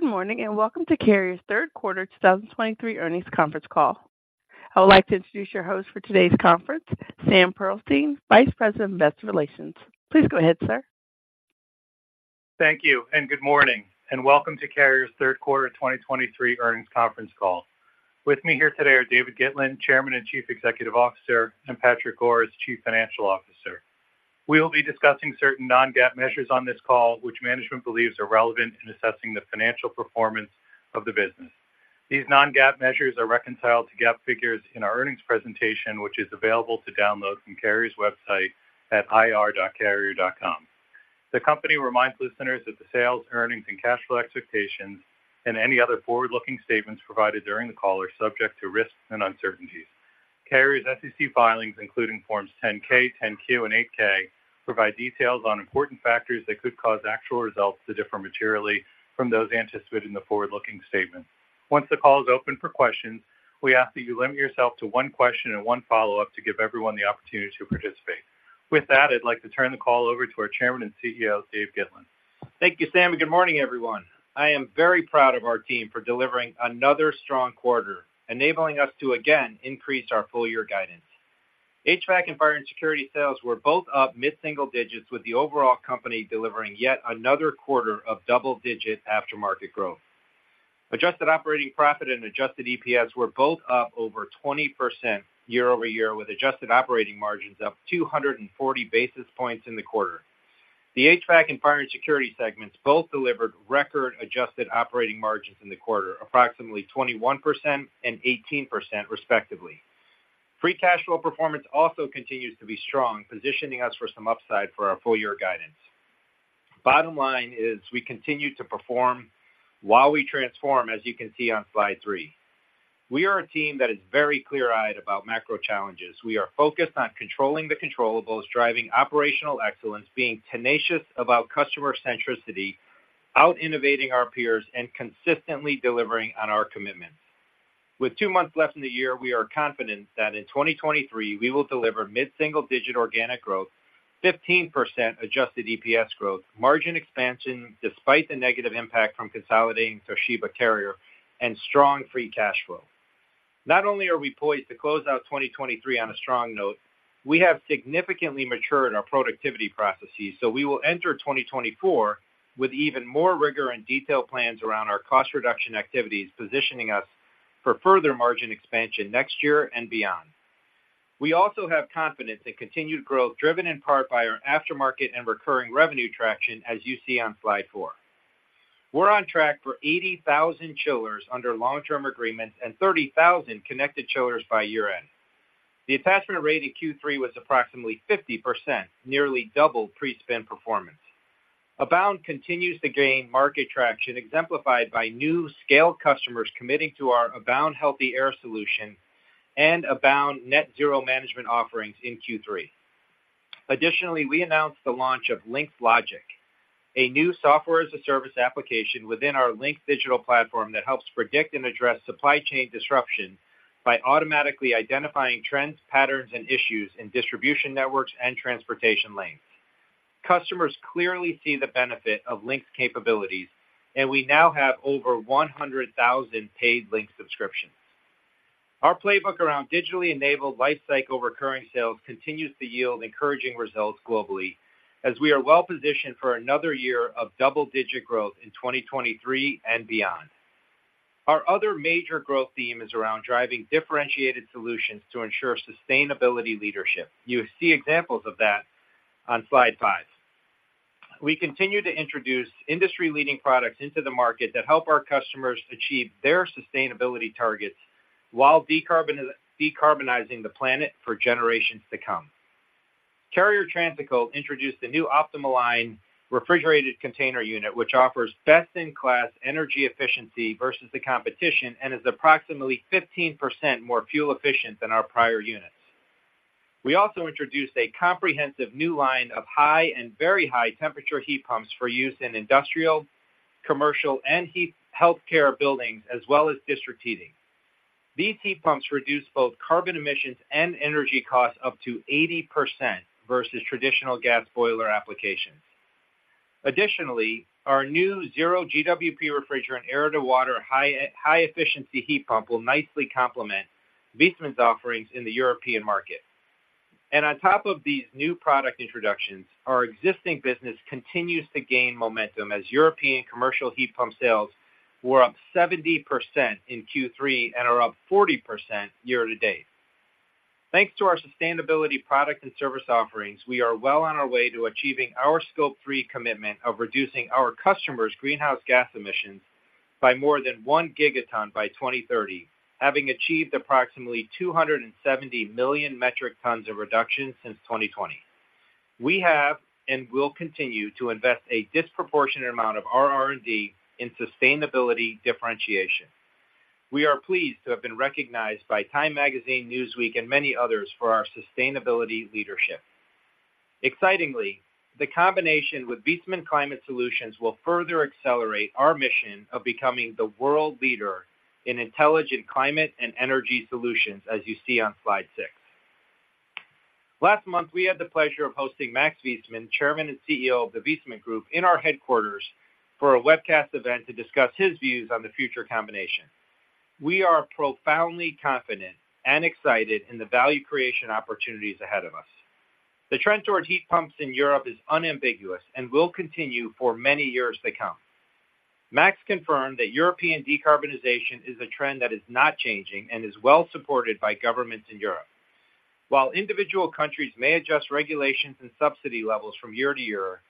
Good morning, and welcome to Carrier's third quarter 2023 earnings conference call. I would like to introduce your host for today's conference, Sam Pearlstein, Vice President of Investor Relations. Please go ahead, sir. Thank you, and good morning, and welcome to Carrier's third quarter 2023 earnings conference call. With me here today are David Gitlin, Chairman and Chief Executive Officer, and Patrick Goris, Chief Financial Officer. We will be discussing certain non-GAAP measures on this call, which management believes are relevant in assessing the financial performance of the business. These non-GAAP measures are reconciled to GAAP figures in our earnings presentation, which is available to download from Carrier's website at ir.carrier.com. The company reminds listeners that the sales, earnings, and cash flow expectations and any other forward-looking statements provided during the call are subject to risks and uncertainties. Carrier's SEC filings, including Forms 10-K, 10-Q, and 8-K, provide details on important factors that could cause actual results to differ materially from those anticipated in the forward-looking statement. Once the call is open for questions, we ask that you limit yourself to one question and one follow-up to give everyone the opportunity to participate. With that, I'd like to turn the call over to our Chairman and CEO, Dave Gitlin. Thank you, Sam, and good morning, everyone. I am very proud of our team for delivering another strong quarter, enabling us to again increase our full-year guidance. HVAC and fire and security sales were both up mid-single digits, with the overall company delivering yet another quarter of double-digit aftermarket growth. Adjusted operating profit and adjusted EPS were both up over 20% year-over-year, with adjusted operating margins up 240 basis points in the quarter. The HVAC and fire and security segments both delivered record-adjusted operating margins in the quarter, approximately 21% and 18%, respectively. Free cash flow performance also continues to be strong, positioning us for some upside for our full-year guidance. Bottom line is we continue to perform while we transform, as you can see on slide 3. We are a team that is very clear-eyed about macro challenges. We are focused on controlling the controllables, driving operational excellence, being tenacious about customer centricity, out-innovating our peers, and consistently delivering on our commitments. With 2 months left in the year, we are confident that in 2023, we will deliver mid-single-digit organic growth, 15% adjusted EPS growth, margin expansion, despite the negative impact from consolidating Toshiba Carrier, and strong free cash flow. Not only are we poised to close out 2023 on a strong note, we have significantly matured in our productivity processes, so we will enter 2024 with even more rigor and detailed plans around our cost reduction activities, positioning us for further margin expansion next year and beyond. We also have confidence in continued growth, driven in part by our aftermarket and recurring revenue traction, as you see on slide 4. We're on track for 80,000 chillers under long-term agreements and 30,000 connected chillers by year-end. The attachment rate in Q3 was approximately 50%, nearly double pre-spin performance. Abound continues to gain market traction, exemplified by new scaled customers committing to our Abound Healthy Air solution and Abound Net Zero management offerings in Q3. Additionally, we announced the launch of Lynx Logix, a new software-as-a-service application within our Lynx digital platform that helps predict and address supply chain disruption by automatically identifying trends, patterns, and issues in distribution networks and transportation links. Customers clearly see the benefit of Lynx capabilities, and we now have over 100,000 paid Lynx subscriptions. Our playbook around digitally enabled lifecycle recurring sales continues to yield encouraging results globally, as we are well positioned for another year of double-digit growth in 2023 and beyond. Our other major growth theme is around driving differentiated solutions to ensure sustainability leadership. You see examples of that on slide 5. We continue to introduce industry-leading products into the market that help our customers achieve their sustainability targets while decarbonizing the planet for generations to come. Carrier Transicold introduced a new optimal line refrigerated container unit, which offers best-in-class energy efficiency versus the competition and is approximately 15% more fuel efficient than our prior units. We also introduced a comprehensive new line of high and very high temperature heat pumps for use in industrial, commercial, and healthcare buildings, as well as district heating. These heat pumps reduce both carbon emissions and energy costs up to 80% versus traditional gas boiler applications. Additionally, our new zero GWP refrigerant, air-to-water, high, high-efficiency heat pump will nicely complement Viessmann's offerings in the European market. And on top of these new product introductions, our existing business continues to gain momentum as European commercial heat pump sales were up 70% in Q3 and are up 40% year to date. Thanks to our sustainability products and service offerings, we are well on our way to achieving our Scope 3 commitment of reducing our customers' greenhouse gas emissions by more than 1 gigaton by 2030, having achieved approximately 270 million metric tons of reduction since 2020. We have and will continue to invest a disproportionate amount of our R&D in sustainability differentiation. We are pleased to have been recognized by Time Magazine, Newsweek, and many others for our sustainability leadership. Excitingly, the combination with Viessmann Climate Solutions will further accelerate our mission of becoming the world leader in intelligent climate and energy solutions, as you see on slide 6. Last month, we had the pleasure of hosting Max Viessmann, Chairman and CEO of the Viessmann Group, in our headquarters for a webcast event to discuss his views on the future combination. We are profoundly confident and excited in the value creation opportunities ahead of us. The trend towards heat pumps in Europe is unambiguous and will continue for many years to come. Max confirmed that European decarbonization is a trend that is not changing and is well supported by governments in Europe. While individual countries may adjust regulations and subsidy levels from year to year,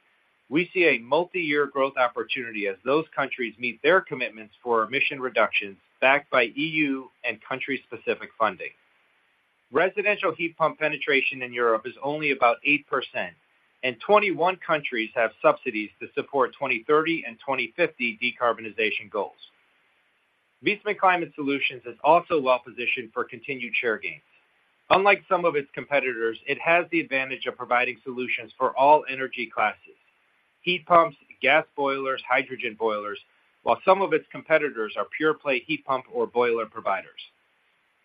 we see a multi-year growth opportunity as those countries meet their commitments for emission reductions, backed by EU and country-specific funding. Residential heat pump penetration in Europe is only about 8%, and 21 countries have subsidies to support 2030 and 2050 decarbonization goals. Viessmann Climate Solutions is also well-positioned for continued share gains. Unlike some of its competitors, it has the advantage of providing solutions for all energy classes, heat pumps, gas boilers, hydrogen boilers, while some of its competitors are pure-play heat pump or boiler providers.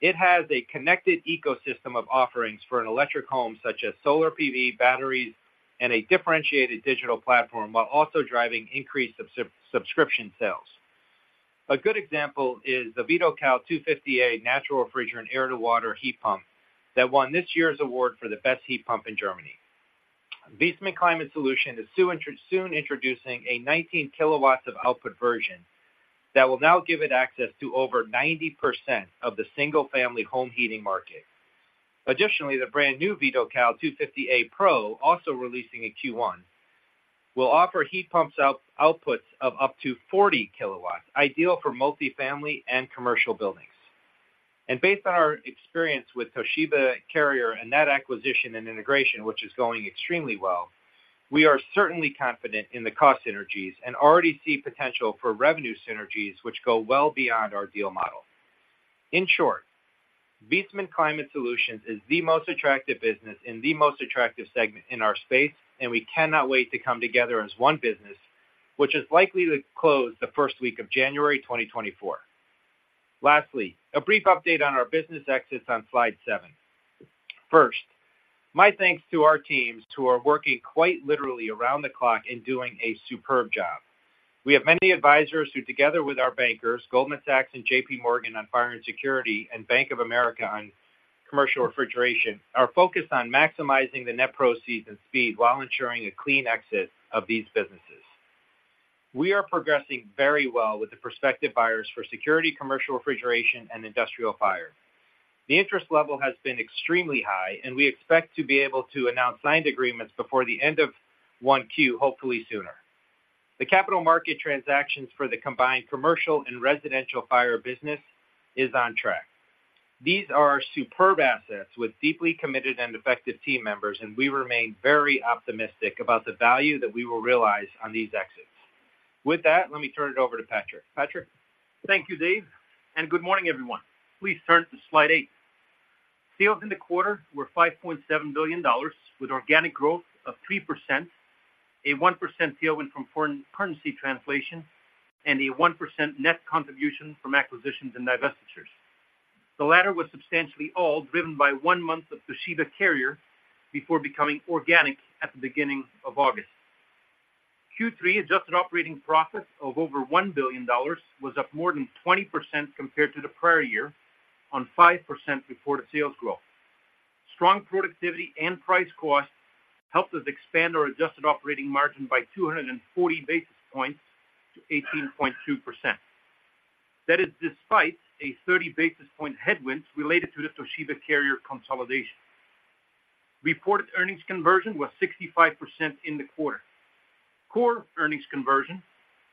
It has a connected ecosystem of offerings for an electric home, such as solar PV, batteries, and a differentiated digital platform, while also driving increased subscription sales. A good example is the Vitocal 250-A natural refrigerant air-to-water heat pump that won this year's award for the best heat pump in Germany. Viessmann Climate Solutions is soon introducing a 19 kilowatts of output version that will now give it access to over 90% of the single-family home heating market. Additionally, the brand new Vitocal 250-A Pro, also releasing in Q1, will offer heat pumps outputs of up to 40 kilowatts, ideal for multifamily and commercial buildings. And based on our experience with Toshiba Carrier and that acquisition and integration, which is going extremely well, we are certainly confident in the cost synergies and already see potential for revenue synergies, which go well beyond our deal model. In short, Viessmann Climate Solutions is the most attractive business in the most attractive segment in our space, and we cannot wait to come together as one business, which is likely to close the first week of January 2024. Lastly, a brief update on our business exits on slide seven. First, my thanks to our teams who are working quite literally around the clock and doing a superb job. We have many advisors who, together with our bankers, Goldman Sachs and JP Morgan on fire and security, and Bank of America on commercial refrigeration, are focused on maximizing the net proceeds and speed while ensuring a clean exit of these businesses. We are progressing very well with the prospective buyers for security, commercial refrigeration and industrial fire. The interest level has been extremely high, and we expect to be able to announce signed agreements before the end of 1Q, hopefully sooner. The capital market transactions for the combined commercial and residential fire business is on track. These are superb assets with deeply committed and effective team members, and we remain very optimistic about the value that we will realize on these exits. With that, let me turn it over to Patrick. Patrick? Thank you, Dave, and good morning, everyone. Please turn to slide 8. Sales in the quarter were $5.7 billion, with organic growth of 3%, a 1% tailwind from foreign currency translation, and a 1% net contribution from acquisitions and divestitures. The latter was substantially all driven by 1 month of Toshiba Carrier before becoming organic at the beginning of August. Q3 adjusted operating profit of over $1 billion was up more than 20% compared to the prior year on 5% reported sales growth. Strong productivity and price cost helped us expand our adjusted operating margin by 240 basis points to 18.2%. That is despite a 30 basis point headwinds related to the Toshiba Carrier consolidation. Reported earnings conversion was 65% in the quarter. Core earnings conversion,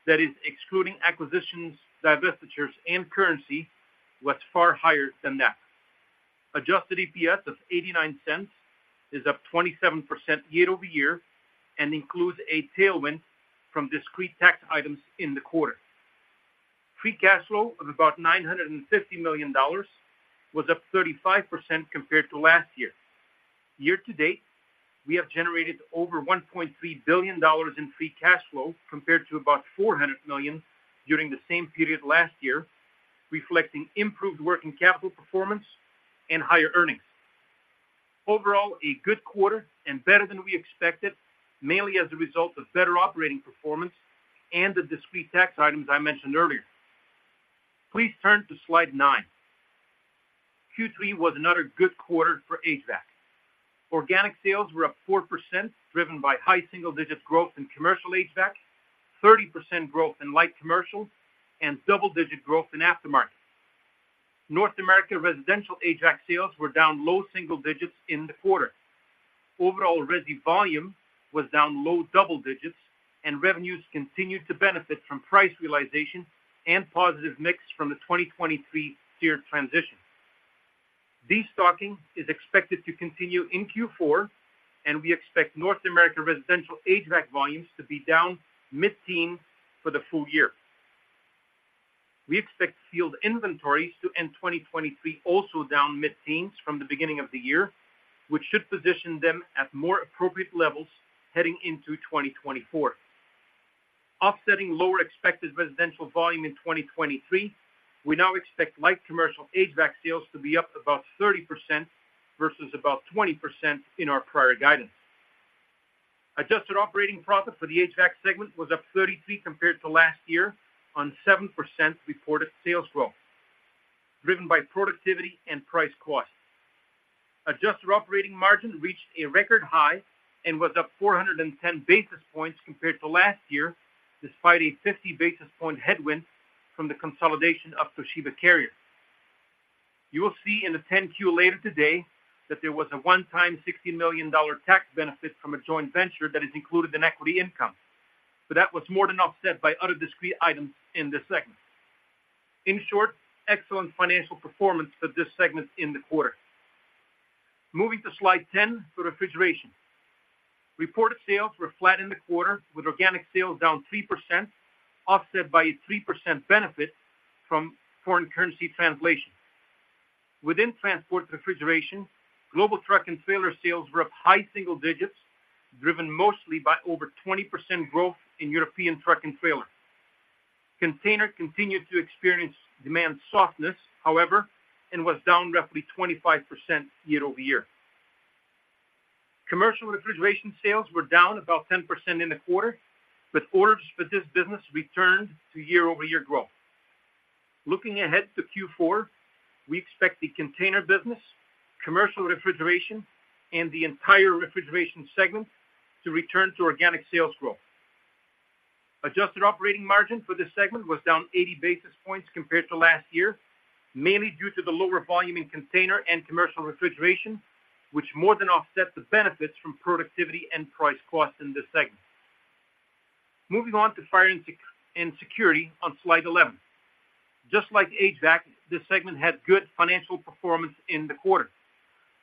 that is excluding acquisitions, divestitures, and currency, was far higher than that. Adjusted EPS of $0.89 is up 27% year-over-year and includes a tailwind from discrete tax items in the quarter. Free cash flow of about $950 million was up 35% compared to last year. Year to date, we have generated over $1.3 billion in free cash flow, compared to about $400 million during the same period last year, reflecting improved working capital performance and higher earnings. Overall, a good quarter and better than we expected, mainly as a result of better operating performance and the discrete tax items I mentioned earlier. Please turn to slide nine. Q3 was another good quarter for HVAC. Organic sales were up 4%, driven by high single-digit growth in commercial HVAC, 30% growth in light commercial, and double-digit growth in aftermarket. North America residential HVAC sales were down low single digits in the quarter. Overall, resi volume was down low double digits, and revenues continued to benefit from price realization and positive mix from the 2023 tiered transition. Destocking is expected to continue in Q4, and we expect North America residential HVAC volumes to be down mid-teen for the full year. We expect field inventories to end 2023, also down mid-teens from the beginning of the year, which should position them at more appropriate levels heading into 2024.... offsetting lower expected residential volume in 2023, we now expect light commercial HVAC sales to be up about 30% versus about 20% in our prior guidance. Adjusted operating profit for the HVAC segment was up 33 compared to last year on 7% reported sales growth, driven by productivity and price cost. Adjusted operating margin reached a record high and was up 410 basis points compared to last year, despite a 50 basis points headwind from the consolidation of Toshiba Carrier. You will see in the 10-Q later today that there was a one-time $60 million tax benefit from a joint venture that is included in equity income, but that was more than offset by other discrete items in this segment. In short, excellent financial performance for this segment in the quarter. Moving to slide 10, for refrigeration. Reported sales were flat in the quarter, with organic sales down 3%, offset by a 3% benefit from foreign currency translation. Within transport refrigeration, global truck and trailer sales were up high single digits, driven mostly by over 20% growth in European truck and trailer. Container continued to experience demand softness, however, and was down roughly 25% year-over-year. Commercial refrigeration sales were down about 10% in the quarter, but orders for this business returned to year-over-year growth. Looking ahead to Q4, we expect the container business, commercial refrigeration, and the entire refrigeration segment to return to organic sales growth. Adjusted operating margin for this segment was down 80 basis points compared to last year, mainly due to the lower volume in container and commercial refrigeration, which more than offset the benefits from productivity and price cost in this segment. Moving on to fire and security on slide 11. Just like HVAC, this segment had good financial performance in the quarter.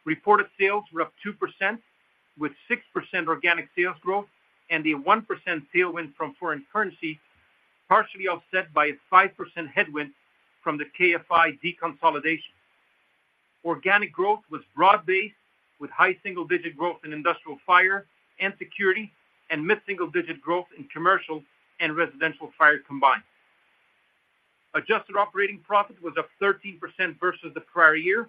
Reported sales were up 2%, with 6% organic sales growth, and a 1% tailwind from foreign currency, partially offset by a 5% headwind from the KFI deconsolidation. Organic growth was broad-based, with high single-digit growth in industrial fire and security, and mid-single-digit growth in commercial and residential fire combined. Adjusted operating profit was up 13% versus the prior year.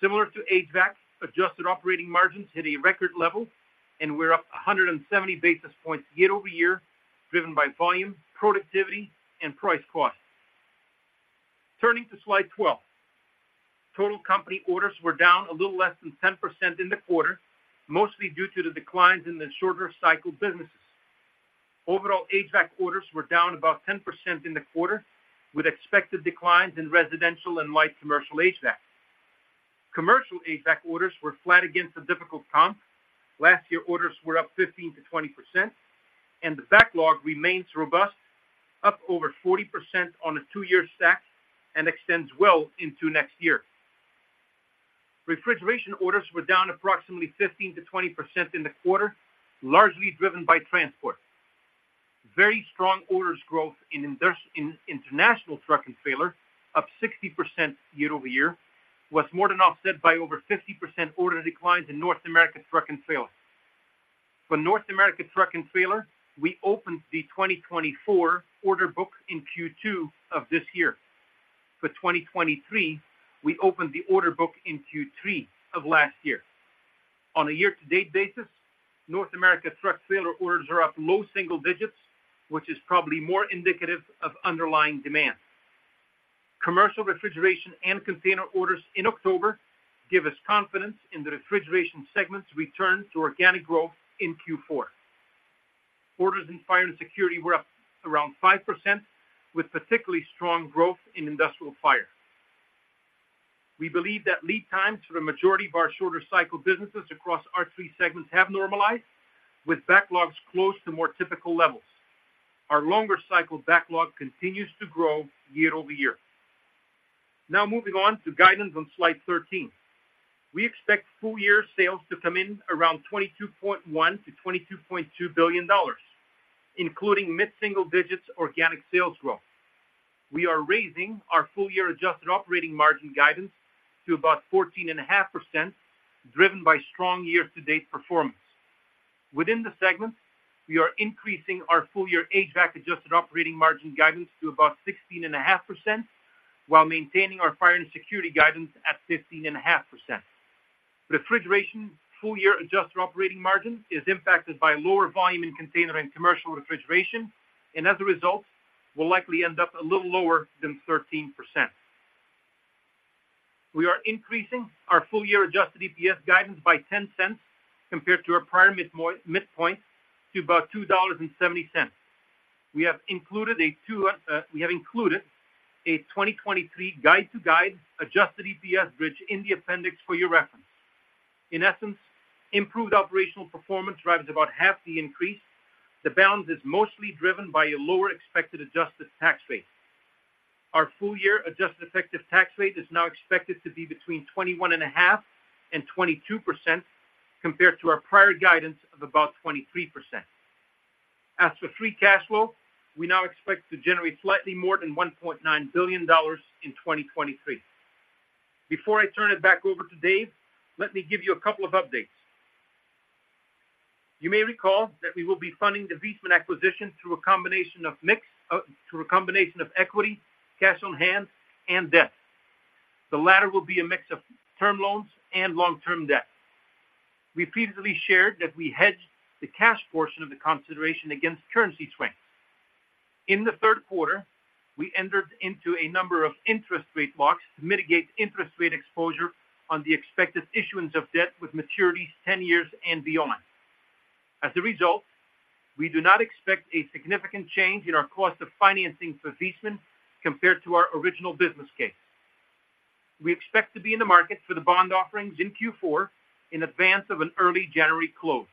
Similar to HVAC, adjusted operating margins hit a record level, and we're up 170 basis points year-over-year, driven by volume, productivity, and price cost. Turning to slide 12. Total company orders were down a little less than 10% in the quarter, mostly due to the declines in the shorter cycle businesses. Overall, HVAC orders were down about 10% in the quarter, with expected declines in residential and light commercial HVAC. Commercial HVAC orders were flat against a difficult comp. Last year, orders were up 15%-20%, and the backlog remains robust, up over 40% on a two-year stack and extends well into next year. Refrigeration orders were down approximately 15%-20% in the quarter, largely driven by transport. Very strong orders growth in international truck and trailer, up 60% year-over-year, was more than offset by over 50% order declines in North American truck and trailer. For North America truck and trailer, we opened the 2024 order book in Q2 of this year. For 2023, we opened the order book in Q3 of last year. On a year-to-date basis, North America truck trailer orders are up low single digits, which is probably more indicative of underlying demand. Commercial refrigeration and container orders in October give us confidence in the refrigeration segment's return to organic growth in Q4. Orders in fire and security were up around 5%, with particularly strong growth in industrial fire. We believe that lead times for the majority of our shorter cycle businesses across our three segments have normalized, with backlogs close to more typical levels. Our longer cycle backlog continues to grow year-over-year. Now moving on to guidance on slide 13. We expect full-year sales to come in around $22.1 billion-$22.2 billion, including mid-single digits organic sales growth. We are raising our full-year adjusted operating margin guidance to about 14.5%, driven by strong year-to-date performance. Within the segment, we are increasing our full-year HVAC adjusted operating margin guidance to about 16.5%, while maintaining our fire and security guidance at 15.5%. Refrigeration full-year adjusted operating margin is impacted by lower volume in container and commercial refrigeration, and as a result, will likely end up a little lower than 13%. We are increasing our full-year adjusted EPS guidance by $0.10 compared to our prior midpoint, to about $2.70. We have included a 2023 guide-to-guide adjusted EPS bridge in the appendix for your reference. In essence, improved operational performance drives about half the increase. The balance is mostly driven by a lower expected adjusted tax rate. Our full-year adjusted effective tax rate is now expected to be between 21.5% and 22%, compared to our prior guidance of about 23%. As for free cash flow, we now expect to generate slightly more than $1.9 billion in 2023. Before I turn it back over to Dave, let me give you a couple of updates. You may recall that we will be funding the Viessmann acquisition through a combination of mix, through a combination of equity, cash on hand, and debt. The latter will be a mix of term loans and long-term debt. We previously shared that we hedged the cash portion of the consideration against currency trends. In the third quarter, we entered into a number of interest rate marks to mitigate interest rate exposure on the expected issuance of debt with maturities 10 years and beyond. As a result, we do not expect a significant change in our cost of financing for Viessmann compared to our original business case. We expect to be in the market for the bond offerings in Q4 in advance of an early January close.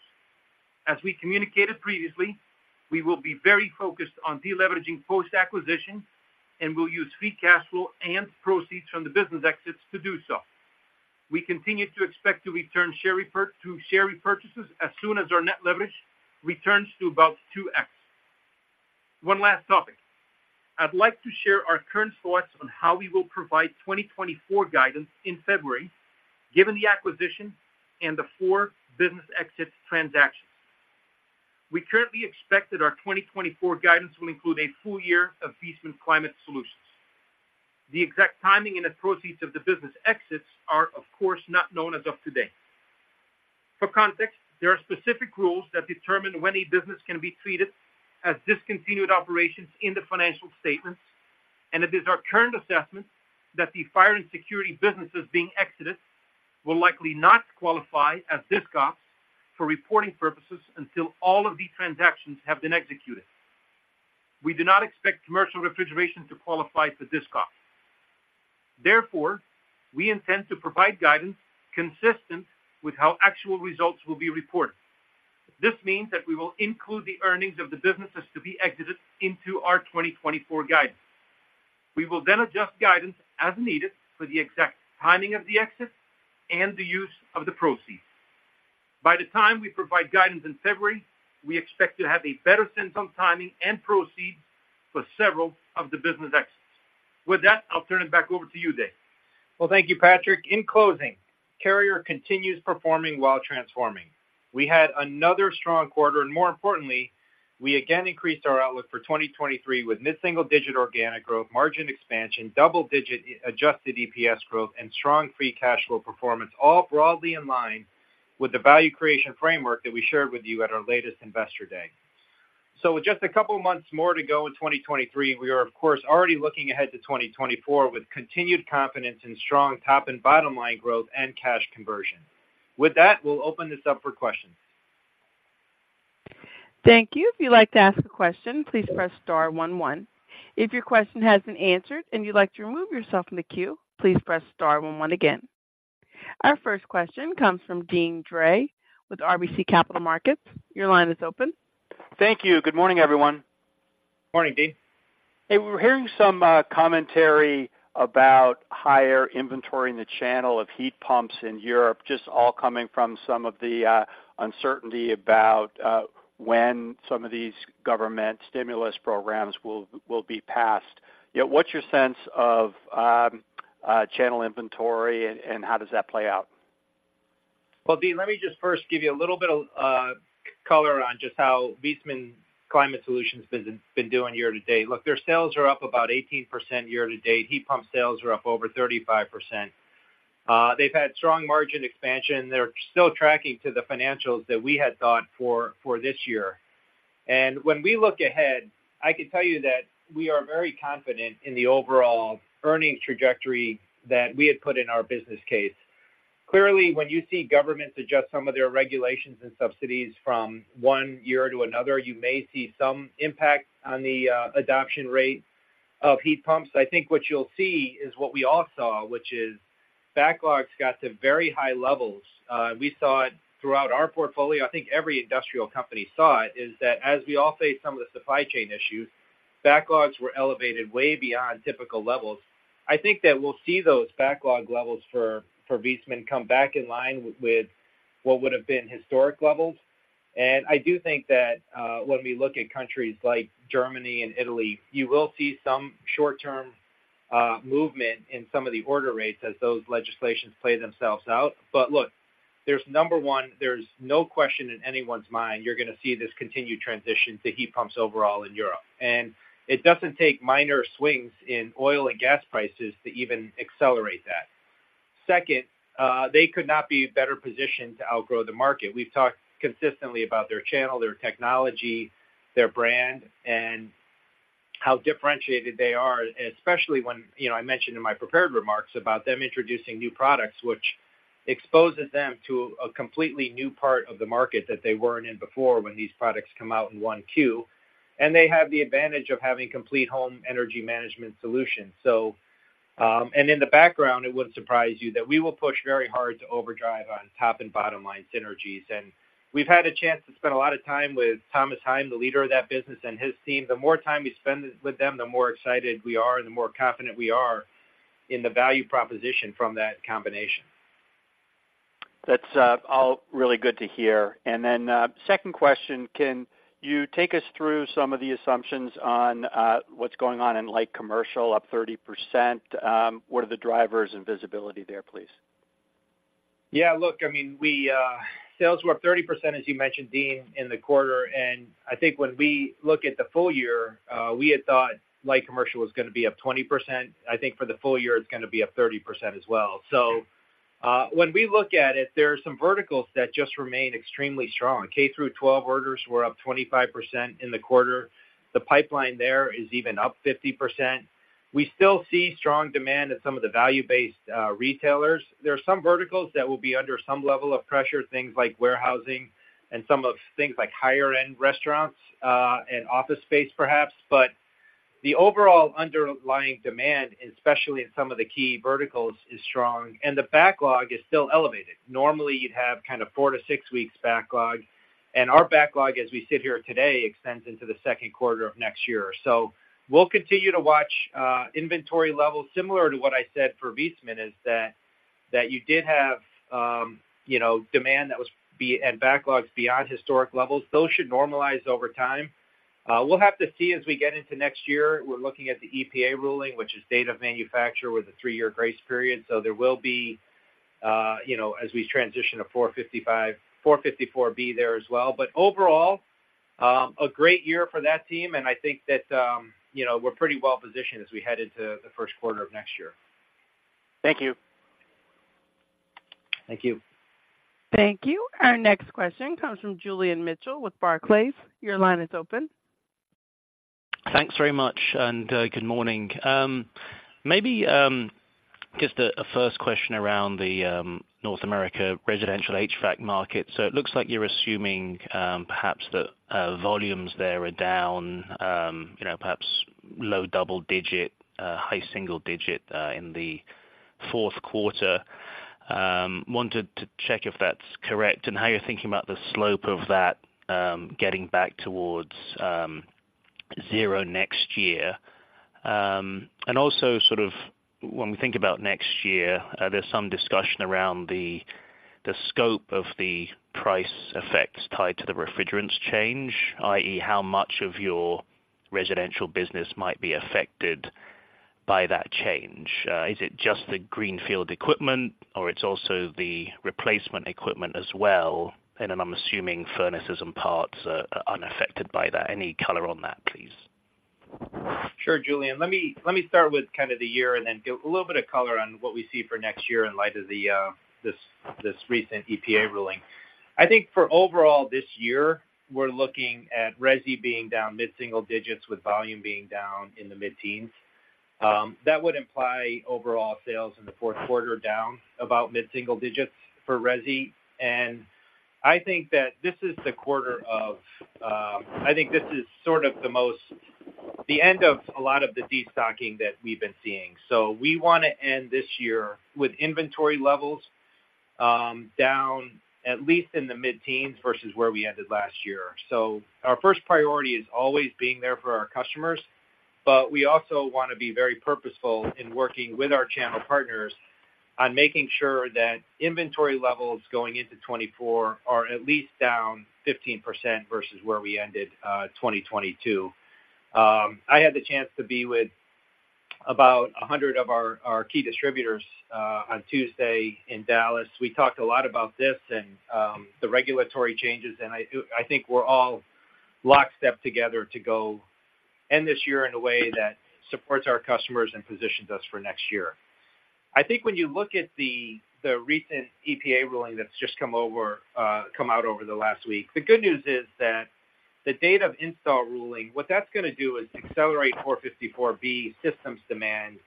As we communicated previously, we will be very focused on deleveraging post-acquisition, and we'll use free cash flow and proceeds from the business exits to do so. We continue to expect to return to share repurchases as soon as our net leverage returns to about 2x. One last topic. I'd like to share our current thoughts on how we will provide 2024 guidance in February, given the acquisition and the four business exit transactions. We currently expect that our 2024 guidance will include a full year of Viessmann Climate Solutions. The exact timing and the proceeds of the business exits are, of course, not known as of today. For context, there are specific rules that determine when a business can be treated as discontinued operations in the financial statements, and it is our current assessment that the fire and security businesses being exited will likely not qualify as DiscOps for reporting purposes until all of these transactions have been executed. We do not expect commercial refrigeration to qualify for DiscOps. Therefore, we intend to provide guidance consistent with how actual results will be reported. This means that we will include the earnings of the businesses to be exited into our 2024 guidance. We will then adjust guidance as needed for the exact timing of the exits and the use of the proceeds. By the time we provide guidance in February, we expect to have a better sense on timing and proceeds for several of the business exits. With that, I'll turn it back over to you, Dave. Well, thank you, Patrick. In closing, Carrier continues performing while transforming. We had another strong quarter, and more importantly, we again increased our outlook for 2023 with mid-single-digit organic growth, margin expansion, double-digit adjusted EPS growth, and strong free cash flow performance, all broadly in line with the value creation framework that we shared with you at our latest Investor Day. So with just a couple of months more to go in 2023, we are, of course, already looking ahead to 2024 with continued confidence in strong top and bottom line growth and cash conversion. With that, we'll open this up for questions. Thank you. If you'd like to ask a question, please press star one one. If your question has been answered and you'd like to remove yourself from the queue, please press star one one again. Our first question comes from Deane Dray with RBC Capital Markets. Your line is open. Thank you. Good morning, everyone. Morning, Dean. Hey, we're hearing some commentary about higher inventory in the channel of heat pumps in Europe, just all coming from some of the uncertainty about when some of these government stimulus programs will be passed. Yeah, what's your sense of channel inventory and how does that play out? Well, Dean, let me just first give you a little bit of color on just how Viessmann Climate Solutions has been doing year to date. Look, their sales are up about 18% year to date. Heat pump sales are up over 35%. They've had strong margin expansion. They're still tracking to the financials that we had thought for this year. And when we look ahead, I can tell you that we are very confident in the overall earnings trajectory that we had put in our business case. Clearly, when you see governments adjust some of their regulations and subsidies from one year to another, you may see some impact on the adoption rate of heat pumps. I think what you'll see is what we all saw, which is backlogs got to very high levels. We saw it throughout our portfolio. I think every industrial company saw it, is that as we all face some of the supply chain issues, backlogs were elevated way beyond typical levels. I think that we'll see those backlog levels for Viessmann come back in line with what would have been historic levels. And I do think that when we look at countries like Germany and Italy, you will see some short-term movement in some of the order rates as those legislations play themselves out. But look, there's number one, there's no question in anyone's mind you're gonna see this continued transition to heat pumps overall in Europe. And it doesn't take minor swings in oil and gas prices to even accelerate that. Second, they could not be better positioned to outgrow the market. We've talked consistently about their channel, their technology, their brand, and how differentiated they are, especially when, you know, I mentioned in my prepared remarks about them introducing new products, which exposes them to a completely new part of the market that they weren't in before when these products come out in 1Q, and they have the advantage of having complete home energy management solutions. In the background, it wouldn't surprise you that we will push very hard to overdrive on top and bottom line synergies. We've had a chance to spend a lot of time with Thomas Heim, the leader of that business and his team. The more time we spend with them, the more excited we are and the more confident we are in the value proposition from that combination.... That's all really good to hear. Then, second question: can you take us through some of the assumptions on what's going on in light commercial, up 30%? What are the drivers and visibility there, please? Yeah, look, I mean, we sales were up 30%, as you mentioned, Dean, in the quarter, and I think when we look at the full year, we had thought light commercial was gonna be up 20%. I think for the full year, it's gonna be up 30% as well. So, when we look at it, there are some verticals that just remain extremely strong. K through twelve orders were up 25% in the quarter. The pipeline there is even up 50%. We still see strong demand at some of the value-based retailers. There are some verticals that will be under some level of pressure, things like warehousing and some of things like higher-end restaurants, and office space, perhaps. But the overall underlying demand, especially in some of the key verticals, is strong, and the backlog is still elevated. Normally, you'd have kind of 4-6 weeks backlog, and our backlog, as we sit here today, extends into the second quarter of next year or so. We'll continue to watch, inventory levels, similar to what I said for Viessmann, is that, that you did have, you know, demand that was and backlogs beyond historic levels. Those should normalize over time. We'll have to see as we get into next year. We're looking at the EPA ruling, which is date of manufacture with a 3-year grace period, so there will be, you know, as we transition to 455, 454B there as well. But overall, a great year for that team, and I think that, you know, we're pretty well-positioned as we head into the first quarter of next year. Thank you. Thank you. Thank you. Our next question comes from Julian Mitchell with Barclays. Your line is open. Thanks very much, and, good morning. Maybe just a first question around the North America residential HVAC market. So it looks like you're assuming perhaps that volumes there are down, you know, perhaps low double digit, high single digit in the fourth quarter. Wanted to check if that's correct, and how you're thinking about the slope of that getting back towards zero next year. And also, sort of, when we think about next year, there's some discussion around the scope of the price effects tied to the refrigerants change, i.e., how much of your residential business might be affected by that change? Is it just the greenfield equipment, or it's also the replacement equipment as well? And then I'm assuming furnaces and parts are unaffected by that. Any color on that, please? Sure, Julian. Let me, let me start with kind of the year and then give a little bit of color on what we see for next year in light of the, this, this recent EPA ruling. I think for overall this year, we're looking at resi being down mid-single digits, with volume being down in the mid-teens. That would imply overall sales in the fourth quarter down about mid-single digits for resi. And I think that this is the quarter of, I think this is sort of the most, the end of a lot of the destocking that we've been seeing. So we want to end this year with inventory levels, down at least in the mid-teens versus where we ended last year. So our first priority is always being there for our customers, but we also want to be very purposeful in working with our channel partners on making sure that inventory levels going into 2024 are at least down 15% versus where we ended 2022. I had the chance to be with about 100 of our key distributors on Tuesday in Dallas. We talked a lot about this and the regulatory changes, and I think we're all lockstep together to go end this year in a way that supports our customers and positions us for next year. I think when you look at the recent EPA ruling that's just come out over the last week, the good news is that the date of install ruling, what that's gonna do is accelerate 454B systems demand,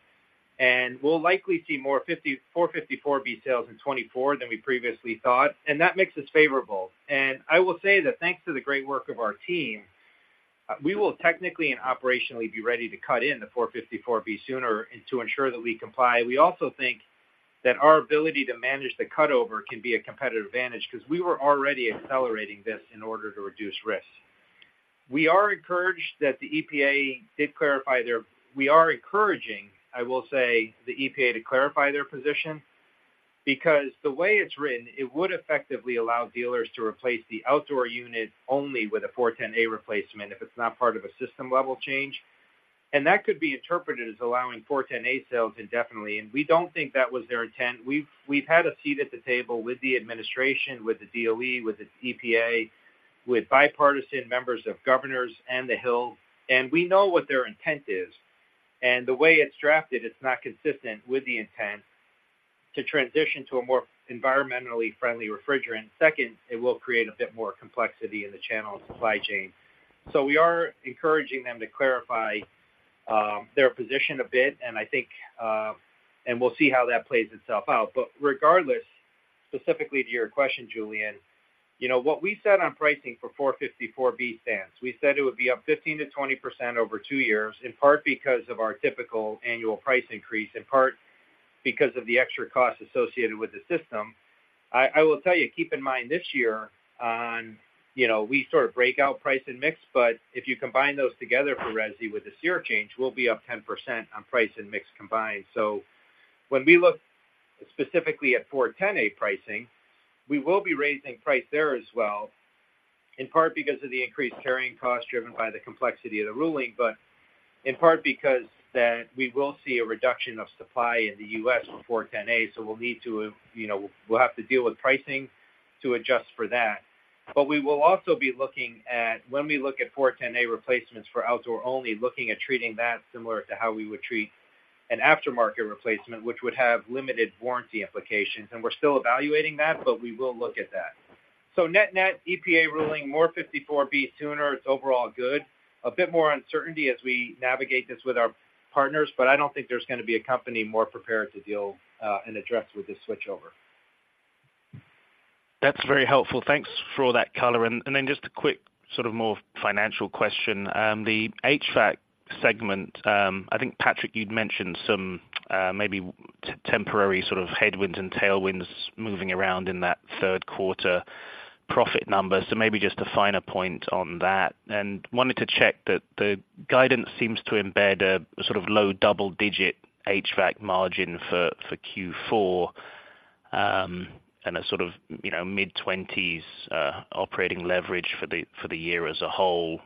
and we'll likely see more 454B sales in 2024 than we previously thought, and that makes us favorable. I will say that thanks to the great work of our team, we will technically and operationally be ready to cut in the 454B sooner and to ensure that we comply. We also think that our ability to manage the cutover can be a competitive advantage because we were already accelerating this in order to reduce risk. We are encouraging, I will say, the EPA to clarify their position because the way it's written, it would effectively allow dealers to replace the outdoor unit only with a 410A replacement if it's not part of a system-level change. And that could be interpreted as allowing 410A sales indefinitely, and we don't think that was their intent. We've had a seat at the table with the administration, with the DOE, with the EPA, with bipartisan members of governors and the Hill, and we know what their intent is. And the way it's drafted, it's not consistent with the intent to transition to a more environmentally friendly refrigerant. Second, it will create a bit more complexity in the channel and supply chain. So we are encouraging them to clarify their position a bit, and I think and we'll see how that plays itself out. But regardless, specifically to your question, Julian, you know, what we said on pricing for 454B stands, we said it would be up 15%-20% over 2 years, in part because of our typical annual price increase, in part because of the extra cost associated with the system. I will tell you, keep in mind this year on, you know, we sort of break out price and mix, but if you combine those together for resi with the SEER change, we'll be up 10% on price and mix combined. So when we look specifically at 410A pricing, we will be raising price there as well. In part because of the increased carrying costs driven by the complexity of the ruling, but in part because that we will see a reduction of supply in the U.S. with 410A, so we'll need to, you know, we'll have to deal with pricing to adjust for that. But we will also be looking at, when we look at 410A replacements for outdoor only, looking at treating that similar to how we would treat an aftermarket replacement, which would have limited warranty implications, and we're still evaluating that, but we will look at that. So net, net, EPA ruling more 454B sooner, it's overall good. A bit more uncertainty as we navigate this with our partners, but I don't think there's gonna be a company more prepared to deal and address with this switchover. That's very helpful. Thanks for all that color. And then just a quick, sort of, more financial question. The HVAC segment, I think, Patrick, you'd mentioned some, maybe temporary sort of headwinds and tailwinds moving around in that third quarter profit numbers. So maybe just a finer point on that. And wanted to check that the guidance seems to embed a, sort of, low double-digit HVAC margin for Q4, and a sort of, you know, mid-twenties operating leverage for the year as a whole,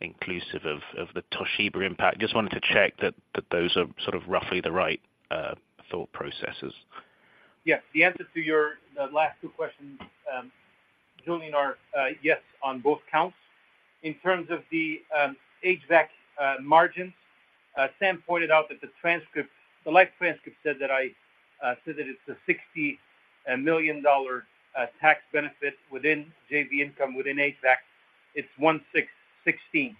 inclusive of the Toshiba impact. Just wanted to check that those are sort of roughly the right thought processes. Yes, the answer to your, the last two questions, Julian, are yes on both counts. In terms of the HVAC margins, Sam pointed out that the transcript, the live transcript said that I said that it's a $60 million tax benefit within JV income, within HVAC. It's 116,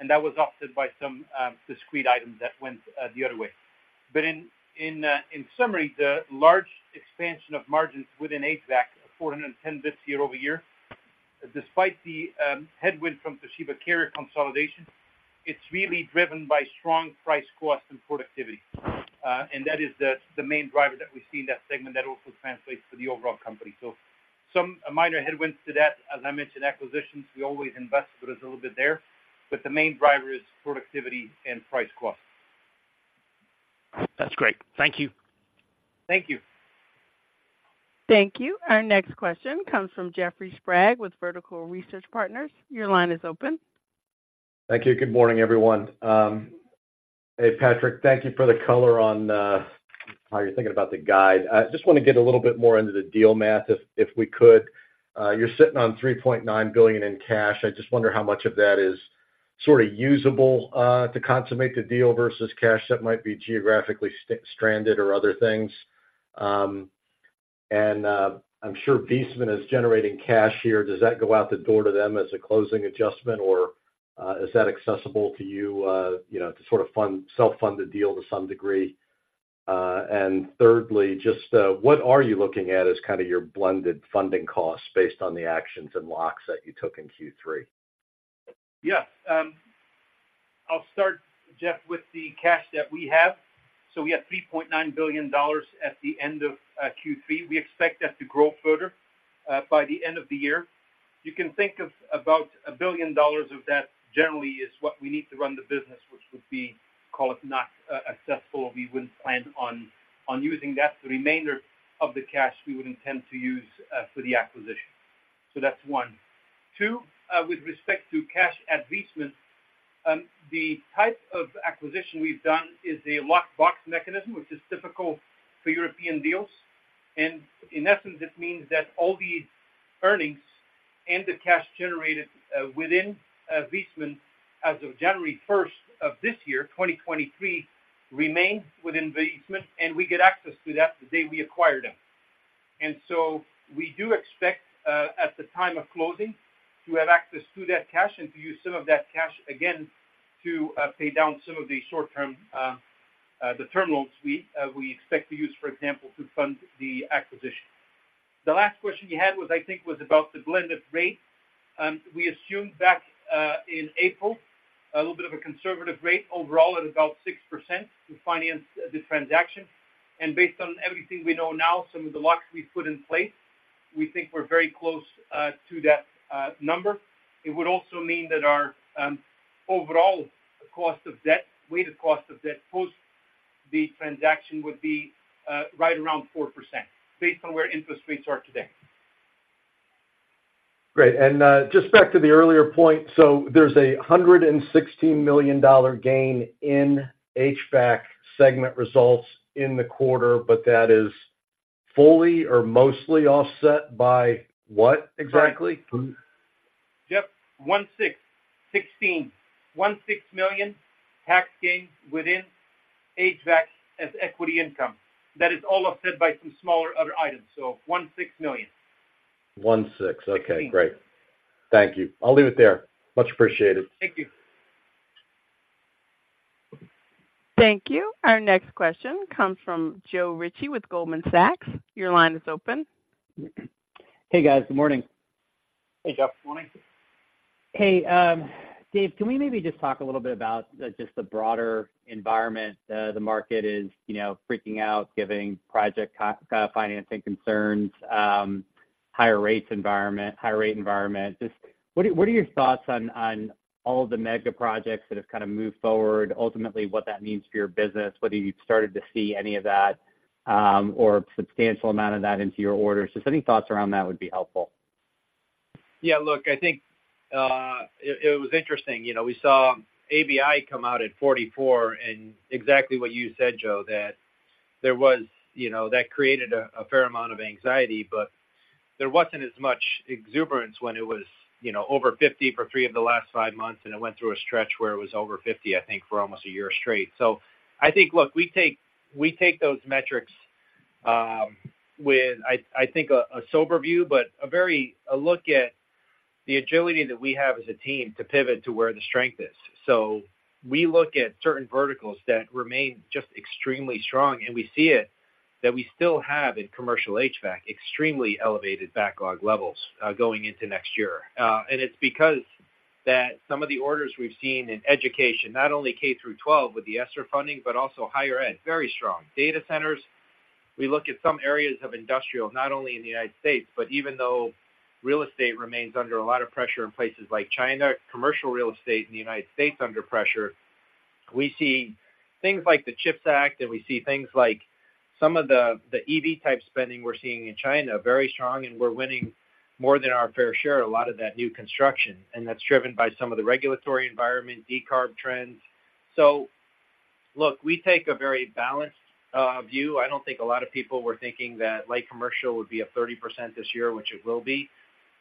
and that was offset by some discrete items that went the other way. But in summary, the large expansion of margins within HVAC, 410 this year-over-year, despite the headwind from Toshiba Carrier consolidation, it's really driven by strong price, cost, and productivity. And that is the main driver that we see in that segment that also translates to the overall company. So some minor headwinds to that. As I mentioned, acquisitions, we always invest, but there's a little bit there. But the main driver is productivity and price cost. That's great. Thank you. Thank you. Thank you. Our next question comes from Jeffrey Sprague, with Vertical Research Partners. Your line is open. Thank you. Good morning, everyone. Hey, Patrick, thank you for the color on how you're thinking about the guide. I just wanna get a little bit more into the deal math, if we could. You're sitting on $3.9 billion in cash. I just wonder how much of that is sort of usable to consummate the deal versus cash that might be geographically stranded or other things. And, I'm sure Viessmann is generating cash here. Does that go out the door to them as a closing adjustment, or is that accessible to you, you know, to sort of fund, self-fund the deal to some degree? And thirdly, just what are you looking at as kind of your blended funding costs based on the actions and locks that you took in Q3? Yes, I'll start, Jeff, with the cash that we have. So we have $3.9 billion at the end of Q3. We expect that to grow further by the end of the year. You can think of about $1 billion of that generally is what we need to run the business, which would be, call it not accessible. We wouldn't plan on using that. The remainder of the cash we would intend to use for the acquisition. So that's one. Two, with respect to cash at Viessmann, the type of acquisition we've done is a locked box mechanism, which is typical for European deals. In essence, this means that all the earnings and the cash generated within Viessmann as of January 1, 2023, remain within Viessmann, and we get access to that the day we acquire them. So we do expect at the time of closing to have access to that cash and to use some of that cash again to pay down some of the short-term the term loans we expect to use, for example, to fund the acquisition. The last question you had was, I think, about the blended rate. We assumed back in April a little bit of a conservative rate overall at about 6% to finance the transaction. Based on everything we know now, some of the locks we've put in place, we think we're very close to that number. It would also mean that our overall cost of debt, weighted cost of debt post the transaction would be right around 4%, based on where interest rates are today. Great. And, just back to the earlier point, so there's a $116 million gain in HVAC segment results in the quarter, but that is fully or mostly offset by what exactly? Jeff, 16, 16. $16 million tax gain within HVAC as equity income. That is all offset by some smaller other items. So $16 million. One six. Okay, great. Thank you. I'll leave it there. Much appreciated. Thank you. Thank you. Our next question comes from Joe Ritchie with Goldman Sachs. Your line is open. Hey, guys. Good morning. Hey, Joe. Good morning. Hey, Dave, can we maybe just talk a little bit about just the broader environment? The market is, you know, freaking out, giving project financing concerns, higher rates environment, higher rate environment. Just what are, what are your thoughts on, on all of the mega projects that have kind of moved forward, ultimately, what that means for your business, whether you've started to see any of that?... or a substantial amount of that into your orders. Just any thoughts around that would be helpful. Yeah, look, I think, it was interesting, you know, we saw ABI come out at 44, and exactly what you said, Joe, that there was, you know, that created a fair amount of anxiety. But there wasn't as much exuberance when it was, you know, over 50 for three of the last five months, and it went through a stretch where it was over 50, I think, for almost a year straight. So I think, look, we take those metrics with, I think, a sober view, but a very a look at the agility that we have as a team to pivot to where the strength is. So we look at certain verticals that remain just extremely strong, and we see it, that we still have in commercial HVAC, extremely elevated backlog levels, going into next year. And it's because that some of the orders we've seen in education, not only K through 12 with the ESSER funding, but also higher ed, very strong. Data centers, we look at some areas of industrial, not only in the United States, but even though real estate remains under a lot of pressure in places like China, commercial real estate in the United States under pressure. We see things like the CHIPS Act, and we see things like some of the, the EV-type spending we're seeing in China, very strong, and we're winning more than our fair share, a lot of that new construction, and that's driven by some of the regulatory environment, decarb trends. So, look, we take a very balanced view. I don't think a lot of people were thinking that light commercial would be up 30% this year, which it will be.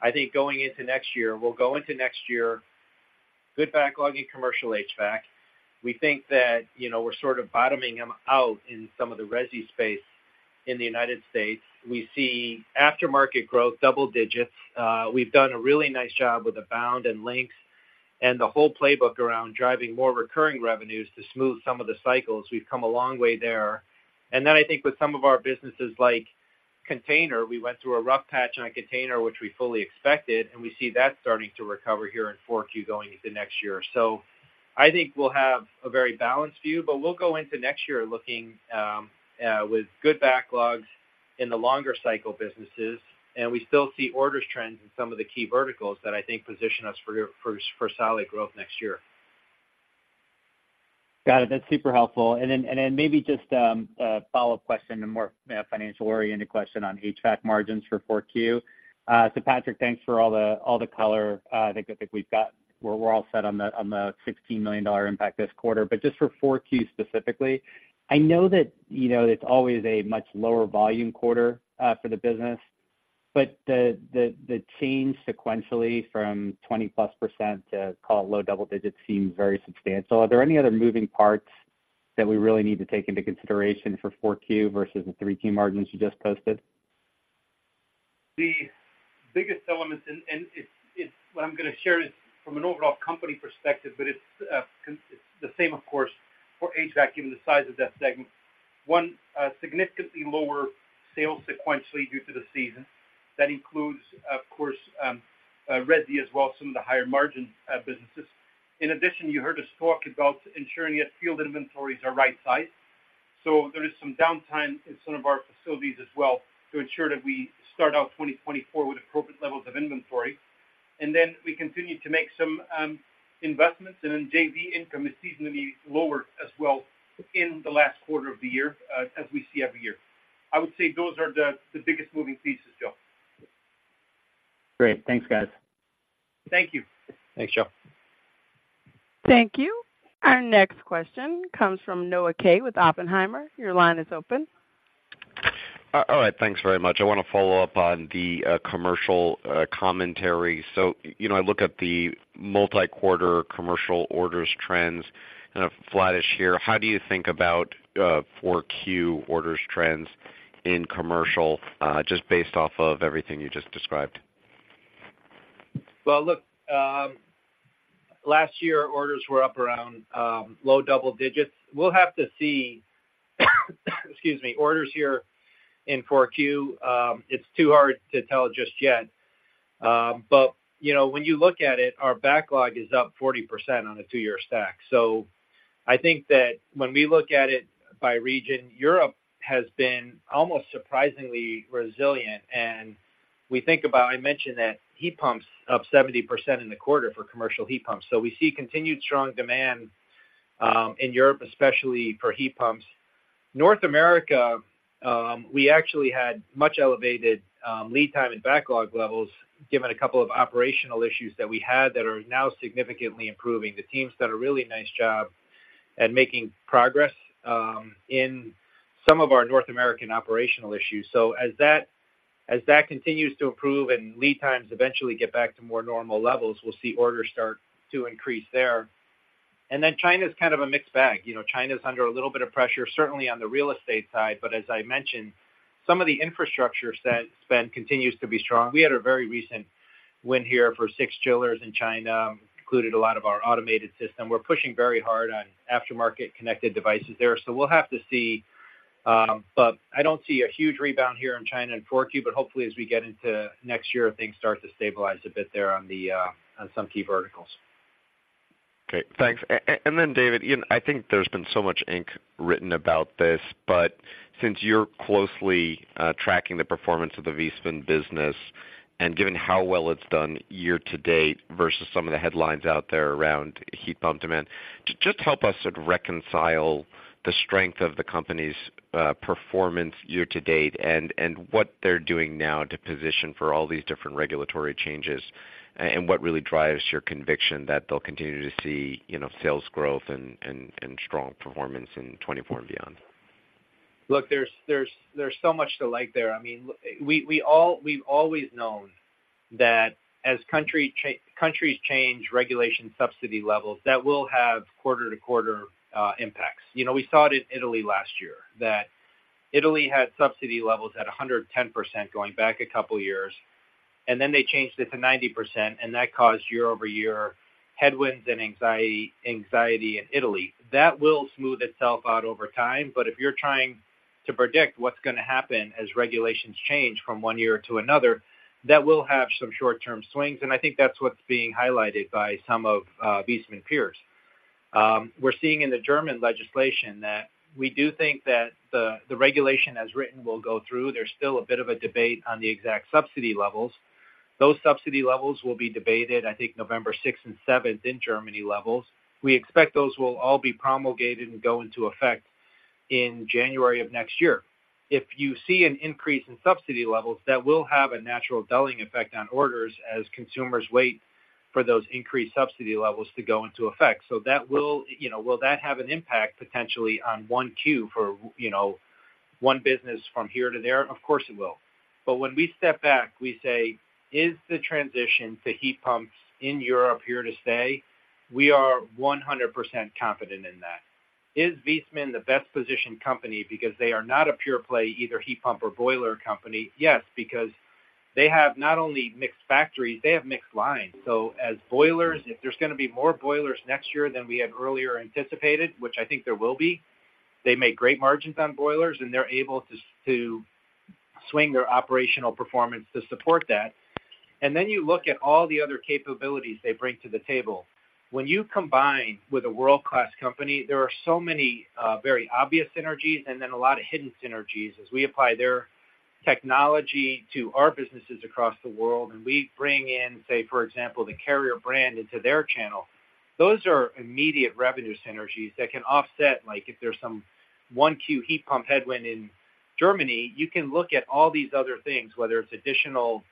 I think going into next year, we'll go into next year, good backlog in commercial HVAC. We think that, you know, we're sort of bottoming them out in some of the resi space in the United States. We see aftermarket growth, double digits. We've done a really nice job with Abound and Lynx and the whole playbook around driving more recurring revenues to smooth some of the cycles. We've come a long way there. And then I think with some of our businesses, like Container, we went through a rough patch on Container, which we fully expected, and we see that starting to recover here in 4Q going into next year. So I think we'll have a very balanced view, but we'll go into next year looking with good backlogs in the longer cycle businesses, and we still see orders trends in some of the key verticals that I think position us for solid growth next year. Got it. That's super helpful. And then maybe just a follow-up question, a more financial-oriented question on HVAC margins for 4Q. So Patrick, thanks for all the color. I think we've got... We're all set on the $16 million impact this quarter. But just for 4Q specifically, I know that, you know, it's always a much lower volume quarter for the business, but the change sequentially from 20%+ to, call it, low double digits seems very substantial. Are there any other moving parts that we really need to take into consideration for 4Q versus the 3Q margins you just posted? The biggest element, and it's what I'm going to share is from an overall company perspective, but it's, it's the same, of course, for HVAC, given the size of that segment. One, significantly lower sales sequentially due to the season. That includes, of course, resi as well as some of the higher margin, businesses. In addition, you heard us talk about ensuring that field inventories are right-sized. So there is some downtime in some of our facilities as well to ensure that we start out 2024 with appropriate levels of inventory. And then we continue to make some, investments, and then JV income is seasonally lower as well in the last quarter of the year, as we see every year. I would say those are the biggest moving pieces, Joe. Great. Thanks, guys. Thank you. Thanks, Joe. Thank you. Our next question comes from Noah Kaye with Oppenheimer. Your line is open. All right, thanks very much. I want to follow up on the commercial commentary. So, you know, I look at the multi-quarter commercial orders trends, kind of flattish year. How do you think about 4Q orders trends in commercial just based off of everything you just described? Well, look, last year, orders were up around low double digits. We'll have to see, excuse me, orders here in Q4. It's too hard to tell just yet. But, you know, when you look at it, our backlog is up 40% on a two-year stack. So I think that when we look at it by region, Europe has been almost surprisingly resilient, and we think about, I mentioned that heat pumps up 70% in the quarter for commercial heat pumps. So we see continued strong demand in Europe, especially for heat pumps. North America, we actually had much elevated lead time and backlog levels, given a couple of operational issues that we had that are now significantly improving. The teams done a really nice job at making progress in some of our North American operational issues. So as that continues to improve and lead times eventually get back to more normal levels, we'll see orders start to increase there. And then China's kind of a mixed bag. You know, China's under a little bit of pressure, certainly on the real estate side, but as I mentioned, some of the infrastructure spend continues to be strong. We had a very recent win here for 6 chillers in China, included a lot of our automated system. We're pushing very hard on aftermarket connected devices there, so we'll have to see. But I don't see a huge rebound here in China in 4Q, but hopefully, as we get into next year, things start to stabilize a bit there on some key verticals. Okay, thanks. And then, David, you know, I think there's been so much ink written about this, but since you're closely tracking the performance of the Viessmann business... and given how well it's done year to date versus some of the headlines out there around heat pump demand, just help us sort of reconcile the strength of the company's performance year to date and what they're doing now to position for all these different regulatory changes, and what really drives your conviction that they'll continue to see, you know, sales growth and strong performance in 2024 and beyond? Look, there's so much to like there. I mean, we've always known that as countries change regulation subsidy levels, that will have quarter-to-quarter impacts. You know, we saw it in Italy last year, that Italy had subsidy levels at 110% going back a couple of years, and then they changed it to 90%, and that caused year-over-year headwinds and anxiety in Italy. That will smooth itself out over time. But if you're trying to predict what's gonna happen as regulations change from one year to another, that will have some short-term swings, and I think that's what's being highlighted by some of Viessmann peers. We're seeing in the German legislation that we do think that the regulation as written will go through. There's still a bit of a debate on the exact subsidy levels. Those subsidy levels will be debated, I think, November sixth and seventh in Germany levels. We expect those will all be promulgated and go into effect in January of next year. If you see an increase in subsidy levels, that will have a natural dulling effect on orders as consumers wait for those increased subsidy levels to go into effect. So that will. You know, will that have an impact potentially on 1Q for, you know, one business from here to there? Of course, it will. But when we step back, we say: Is the transition to heat pumps in Europe here to stay? We are 100% confident in that. Is Viessmann the best-positioned company because they are not a pure play, either heat pump or boiler company? Yes, because they have not only mixed factories, they have mixed lines. So as boilers, if there's gonna be more boilers next year than we had earlier anticipated, which I think there will be, they make great margins on boilers, and they're able to to swing their operational performance to support that. And then you look at all the other capabilities they bring to the table. When you combine with a world-class company, there are so many, very obvious synergies and then a lot of hidden synergies as we apply their technology to our businesses across the world, and we bring in, say, for example, the Carrier brand into their channel. Those are immediate revenue synergies that can offset, like if there's some 1Q heat pump headwind in Germany, you can look at all these other things, whether it's additional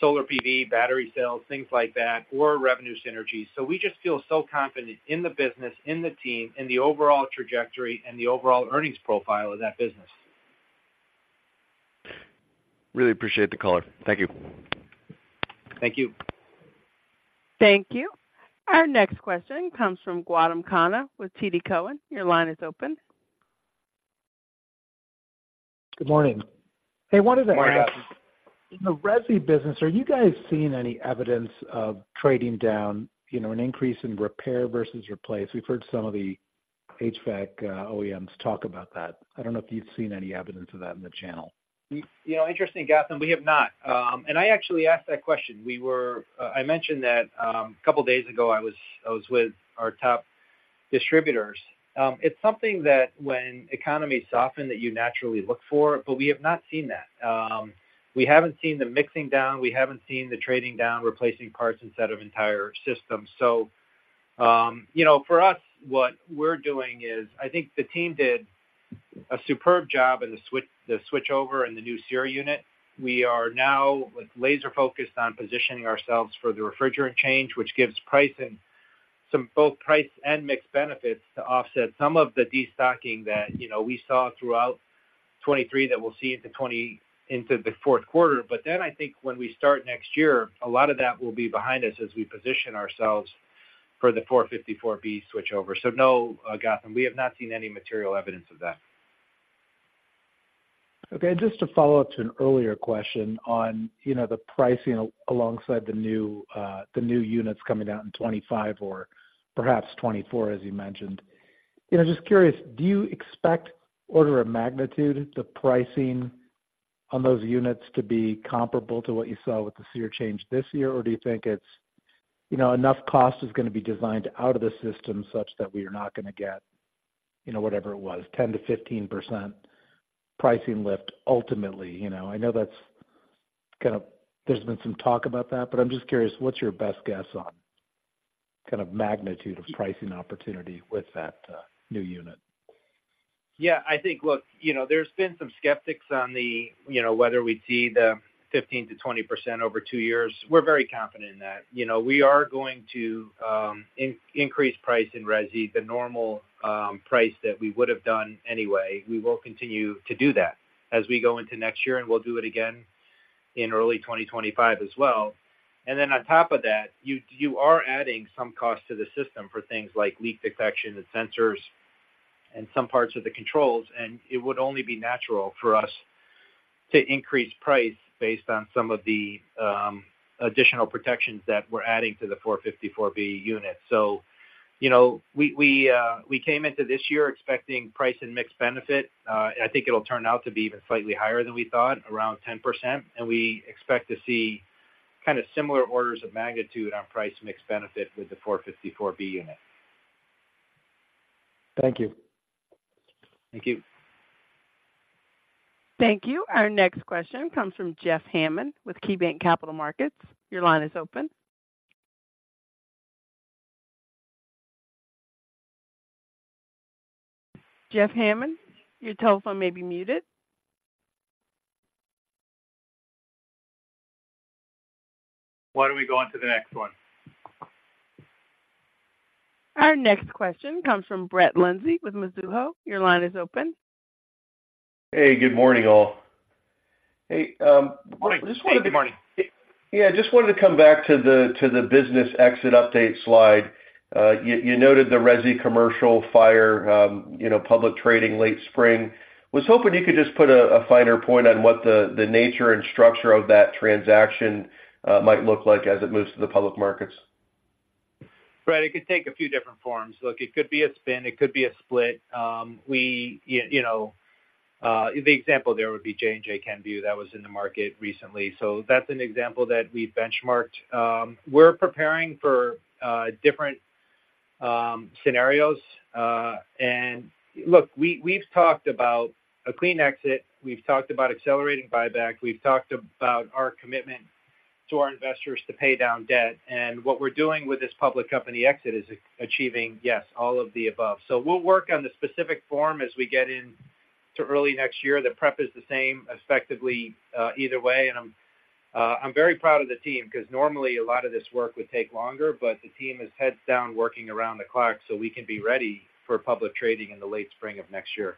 solar PV, battery cells, things like that, or revenue synergies. So we just feel so confident in the business, in the team, in the overall trajectory and the overall earnings profile of that business. Really appreciate the color. Thank you. Thank you. Thank you. Our next question comes from Gautam Khanna with TD Cowen. Your line is open. Good morning. Hey, wanted to ask- Good morning, Gautam. In the resi business, are you guys seeing any evidence of trading down, you know, an increase in repair versus replace? We've heard some of the HVAC OEMs talk about that. I don't know if you've seen any evidence of that in the channel. You know, interesting, Gautam, we have not. I actually asked that question. I mentioned that a couple of days ago, I was with our top distributors. It's something that when economies soften, that you naturally look for, but we have not seen that. We haven't seen the mixing down, we haven't seen the trading down, replacing parts instead of entire systems. So, you know, for us, what we're doing is, I think the team did a superb job in the switchover in the new SEER unit. We are now laser-focused on positioning ourselves for the refrigerant change, which gives pricing, some both price and mixed benefits to offset some of the destocking that, you know, we saw throughout 2023, that we'll see into 2024 into the fourth quarter. But then I think when we start next year, a lot of that will be behind us as we position ourselves for the 454B switchover. So no, Gautam, we have not seen any material evidence of that. Okay, just to follow up to an earlier question on, you know, the pricing alongside the new, the new units coming out in 2025 or perhaps 2024, as you mentioned. You know, just curious, do you expect order of magnitude, the pricing on those units to be comparable to what you saw with the SEER change this year? Or do you think it's, you know, enough cost is gonna be designed out of the system such that we are not gonna get, you know, whatever it was, 10%-15% pricing lift ultimately, you know? I know that's kind of... There's been some talk about that, but I'm just curious, what's your best guess on kind of magnitude of pricing opportunity with that, new unit? Yeah, I think, look, you know, there's been some skeptics on the, you know, whether we'd see the 15%-20% over two years. We're very confident in that. You know, we are going to increase price in resi, the normal price that we would have done anyway. We will continue to do that as we go into next year, and we'll do it again in early 2025 as well. And then on top of that, you are adding some cost to the system for things like leak detection and sensors and some parts of the controls, and it would only be natural for us to increase price based on some of the additional protections that we're adding to the 454B unit. So you know, we came into this year expecting price and mixed benefit. I think it'll turn out to be even slightly higher than we thought, around 10%, and we expect to see kind of similar orders of magnitude on price mixed benefit with the 454B unit.... Thank you. Thank you. Thank you. Our next question comes from Jeff Hammond with KeyBanc Capital Markets. Your line is open. Jeff Hammond, your telephone may be muted. Why don't we go on to the next one? Our next question comes from Brett Linzey with Mizuho. Your line is open. Hey, good morning, all. Hey, Good morning. Yeah, I just wanted to come back to the business exit update slide. You noted the resi commercial fire, you know, public trading late spring. Was hoping you could just put a finer point on what the nature and structure of that transaction might look like as it moves to the public markets. Brett, it could take a few different forms. Look, it could be a spin, it could be a split. We, you know, the example there would be J&J Kenvue, that was in the market recently. So that's an example that we benchmarked. We're preparing for different scenarios. And look, we, we've talked about a clean exit, we've talked about accelerating buyback, we've talked about our commitment to our investors to pay down debt, and what we're doing with this public company exit is achieving, yes, all of the above. So we'll work on the specific form as we get into early next year. The prep is the same, effectively, I'm very proud of the team, 'cause normally a lot of this work would take longer, but the team is heads down, working around the clock so we can be ready for public trading in the late spring of next year.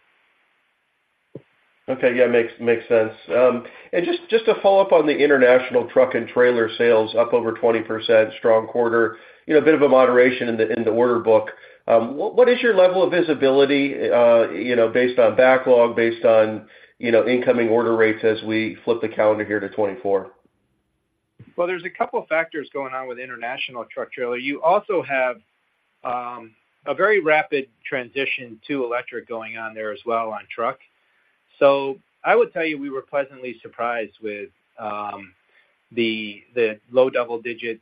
Okay, yeah, makes sense. And just to follow up on the international truck and trailer sales, up over 20%, strong quarter, you know, a bit of a moderation in the order book. What is your level of visibility, you know, based on backlog, based on incoming order rates as we flip the calendar here to 2024? Well, there's a couple factors going on with international truck trailer. You also have a very rapid transition to electric going on there as well on truck. So I would tell you, we were pleasantly surprised with the low double-digit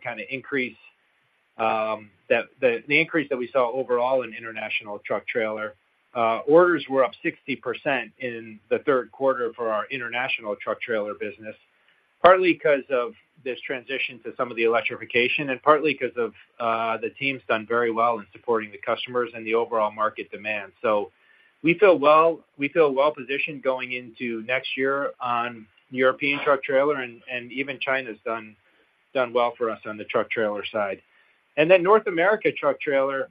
kinda increase that we saw overall in international truck trailer. Orders were up 60% in the third quarter for our international truck trailer business, partly 'cause of this transition to some of the electrification, and partly 'cause of the team's done very well in supporting the customers and the overall market demand. So we feel well-positioned going into next year on European truck trailer, and even China's done well for us on the truck trailer side. Then North America truck trailer,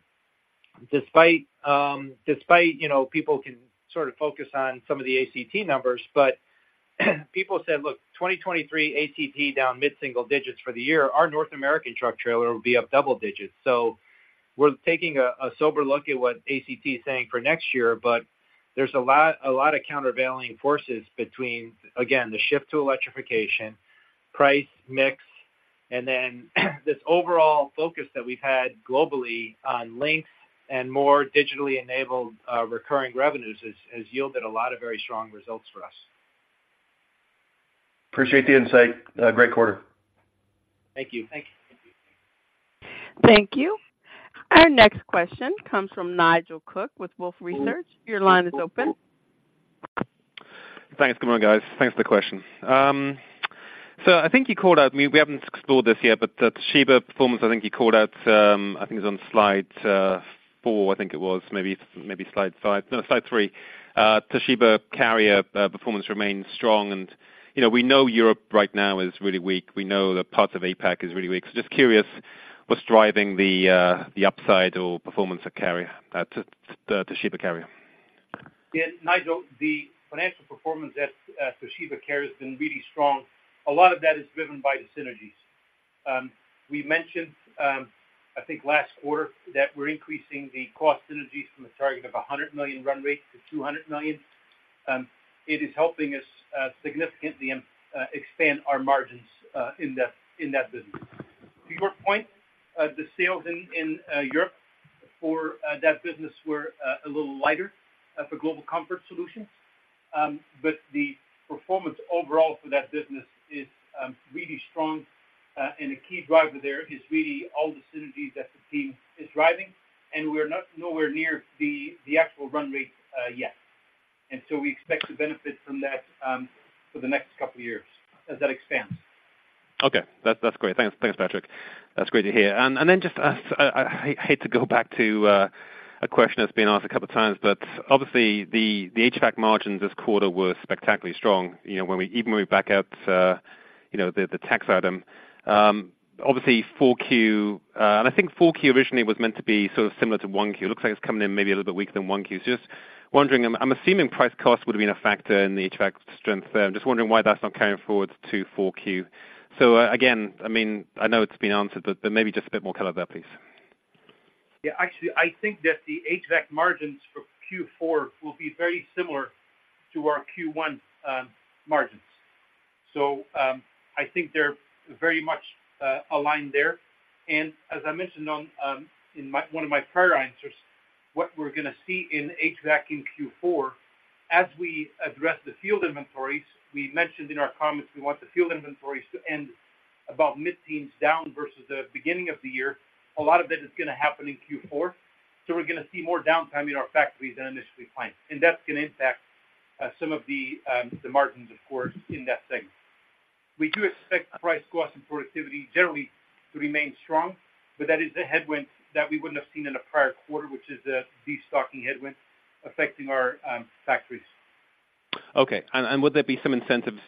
despite, you know, people can sort of focus on some of the ACT numbers, but people said, "Look, 2023, ACT down mid-single digits for the year, our North American truck trailer will be up double digits." So we're taking a sober look at what ACT is saying for next year, but there's a lot, a lot of countervailing forces between, again, the shift to electrification, price, mix, and then this overall focus that we've had globally on length and more digitally enabled, recurring revenues has yielded a lot of very strong results for us. Appreciate the insight. Great quarter. Thank you. Thank you. Our next question comes from Nigel Coe with Wolfe Research. Your line is open. Thanks. Good morning, guys. Thanks for the question. So I think you called out, we haven't explored this yet, but the Toshiba performance, I think you called out, I think it's on slide 4, I think it was, maybe, maybe slide 5. No, slide 3. Toshiba Carrier performance remains strong, and, you know, we know Europe right now is really weak. We know that parts of APAC is really weak. So just curious, what's driving the, the upside or performance of Carrier to the Toshiba Carrier? Yeah, Nigel, the financial performance at Toshiba Carrier has been really strong. A lot of that is driven by the synergies. We mentioned, I think last quarter, that we're increasing the cost synergies from a target of $100 million run rate to $200 million. It is helping us significantly expand our margins in that business. To your point, the sales in Europe for that business were a little lighter for Global Comfort Solutions, but the performance overall for that business is really strong, and a key driver there is really all the synergies that the team is driving, and we're not nowhere near the actual run rate yet. So we expect to benefit from that for the next couple of years as that expands. Okay. That's, that's great. Thanks. Thanks, Patrick. That's great to hear. And then just, I hate to go back to a question that's been asked a couple of times, but obviously the HVAC margins this quarter were spectacularly strong. You know, when we even when we back out, you know, the tax item, obviously 4Q, and I think 4Q originally was meant to be sort of similar to 1Q. Looks like it's coming in maybe a little bit weaker than 1Q. So just wondering, I'm assuming price cost would have been a factor in the HVAC strength there. I'm just wondering why that's not carrying forward to 4Q. So, again, I mean, I know it's been answered, but maybe just a bit more color there, please. Yeah, actually, I think that the HVAC margins for Q4 will be very similar to our Q1 margins. So, I think they're very much aligned there. And as I mentioned in my one of my prior answers, what we're gonna see in HVAC in Q4 as we address the field inventories, we mentioned in our comments, we want the field inventories to end about mid-teens down versus the beginning of the year. A lot of it is going to happen in Q4, so we're going to see more downtime in our factories than initially planned, and that's going to impact some of the margins, of course, in that segment. We do expect price costs and productivity generally to remain strong, but that is a headwind that we wouldn't have seen in the prior quarter, which is the destocking headwind affecting our factories. Okay. And would there be some incentives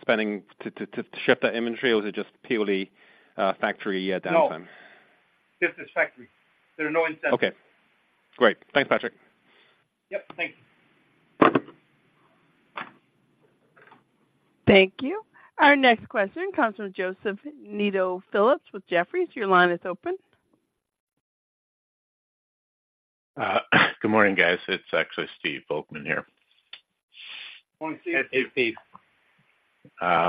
spending to ship that inventory, or is it just purely factory downtime? No, just this factory. There are no incentives. Okay, great. Thanks, Patrick. Yep, thank you. Thank you. Our next question comes from Joseph O'Dea with Jefferies. Your line is open. Good morning, guys. It's actually Steve Volkmann here. Good morning, Steve. Hey,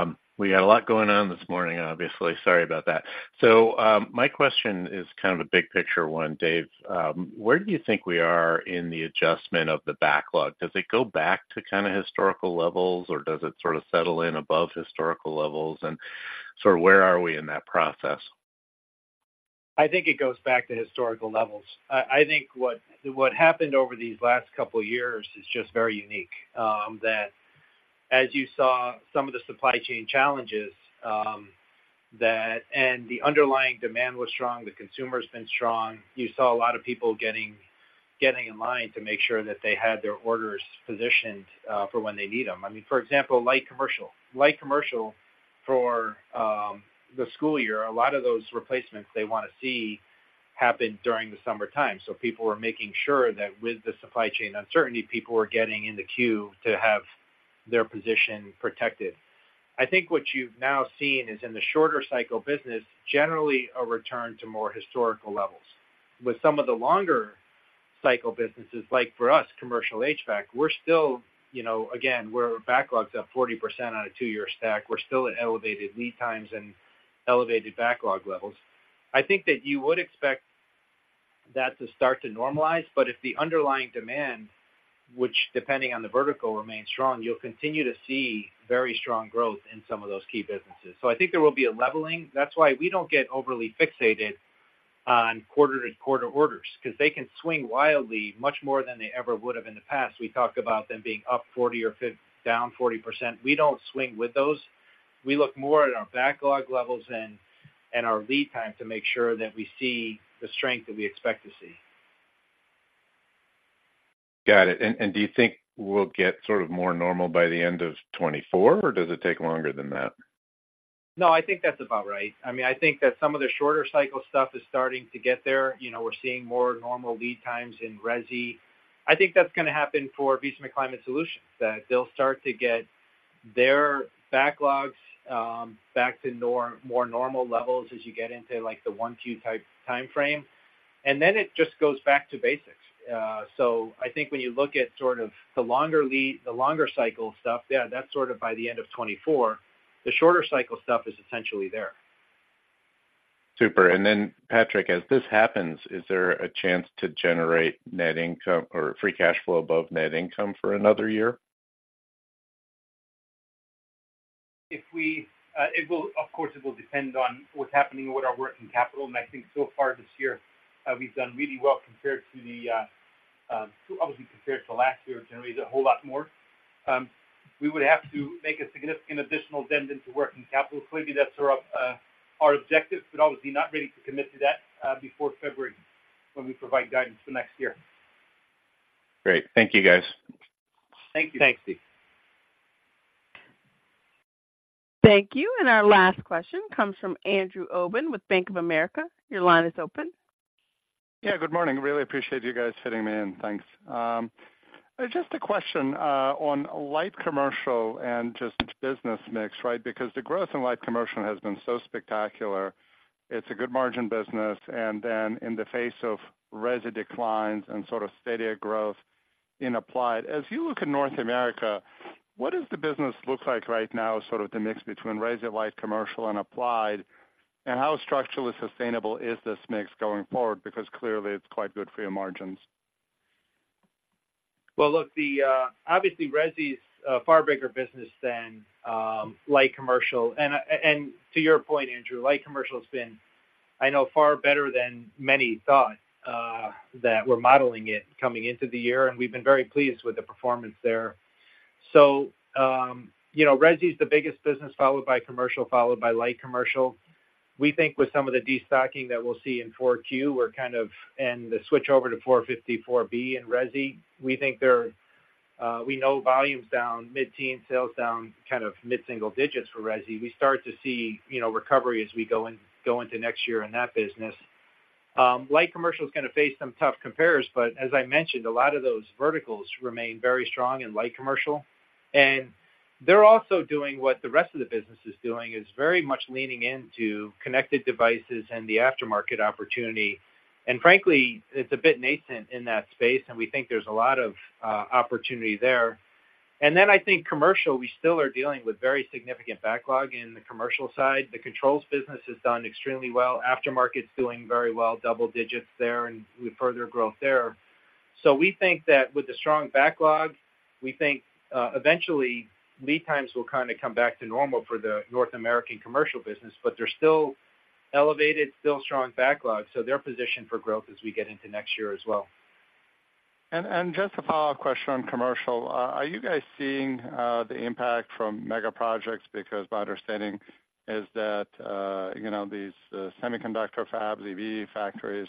Steve. We got a lot going on this morning, obviously. Sorry about that. So, my question is kind of a big picture one, Dave. Where do you think we are in the adjustment of the backlog? Does it go back to kind of historical levels, or does it sort of settle in above historical levels? And sort of where are we in that process? I think it goes back to historical levels. I think what happened over these last couple of years is just very unique, that as you saw some of the supply chain challenges, and the underlying demand was strong, the consumer's been strong. You saw a lot of people getting in line to make sure that they had their orders positioned for when they need them. I mean, for example, light commercial for the school year, a lot of those replacements they want to see happen during the summertime. So people were making sure that with the supply chain uncertainty, people were getting in the queue to have their position protected. I think what you've now seen is in the shorter cycle business, generally a return to more historical levels. With some of the longer cycle businesses, like for us, commercial HVAC, we're still, you know, again, we're backlogs up 40% on a two-year stack. We're still at elevated lead times and elevated backlog levels. I think that you would expect that to start to normalize, but if the underlying demand, which, depending on the vertical, remains strong, you'll continue to see very strong growth in some of those key businesses. So I think there will be a leveling. That's why we don't get overly fixated on quarter-to-quarter orders, because they can swing wildly, much more than they ever would have in the past. We talked about them being up 40% or down 40%. We don't swing with those. We look more at our backlog levels and our lead time to make sure that we see the strength that we expect to see. Got it. And do you think we'll get sort of more normal by the end of 2024, or does it take longer than that? No, I think that's about right. I mean, I think that some of the shorter cycle stuff is starting to get there. You know, we're seeing more normal lead times in resi. I think that's going to happen for Viessmann Climate Solutions, that they'll start to get their backlogs back to more normal levels as you get into, like, the 1Q-type time frame. And then it just goes back to basics. So I think when you look at sort of the longer lead, the longer cycle stuff, yeah, that's sort of by the end of 2024. The shorter cycle stuff is essentially there. Super. And then, Patrick, as this happens, is there a chance to generate net income or free cash flow above net income for another year? Of course, it will depend on what's happening with our working capital, and I think so far this year, we've done really well compared to the, obviously, compared to last year, generated a whole lot more. We would have to make a significant additional dent into working capital. Clearly, that's our objective, but obviously not ready to commit to that, before February when we provide guidance for next year. Great. Thank you, guys. Thank you. Thanks, Steve. Thank you. And our last question comes from Andrew Obin with Bank of America. Your line is open. Yeah, good morning. Really appreciate you guys fitting me in. Thanks. Just a question on light commercial and just business mix, right? Because the growth in light commercial has been so spectacular. It's a good margin business, and then in the face of resi declines and sort of steadier growth in applied. As you look in North America, what does the business look like right now, sort of the mix between resi, light commercial, and applied, and how structurally sustainable is this mix going forward? Because clearly, it's quite good for your margins. Well, look, obviously, resi is a far bigger business than light commercial. And to your point, Andrew, light commercial has been, I know, far better than many thought that we're modeling it coming into the year, and we've been very pleased with the performance there. So, you know, resi is the biggest business, followed by commercial, followed by light commercial. We think with some of the destocking that we'll see in 4Q, and the switch over to 454B in resi, we think they're, we know volume's down mid-teen, sales down kind of mid-single digits for resi. We start to see, you know, recovery as we go into next year in that business. Light commercial is going to face some tough compares, but as I mentioned, a lot of those verticals remain very strong in light commercial. And they're also doing what the rest of the business is doing, is very much leaning into connected devices and the aftermarket opportunity. And frankly, it's a bit nascent in that space, and we think there's a lot of opportunity there... And then I think commercial, we still are dealing with very significant backlog in the commercial side. The controls business has done extremely well. Aftermarket's doing very well, double digits there, and with further growth there. So we think that with the strong backlog, we think eventually lead times will kind of come back to normal for the North American commercial business, but they're still elevated, still strong backlog, so they're positioned for growth as we get into next year as well. And just a follow-up question on commercial. Are you guys seeing the impact from mega projects? Because my understanding is that, you know, these semiconductor fabs, EV factories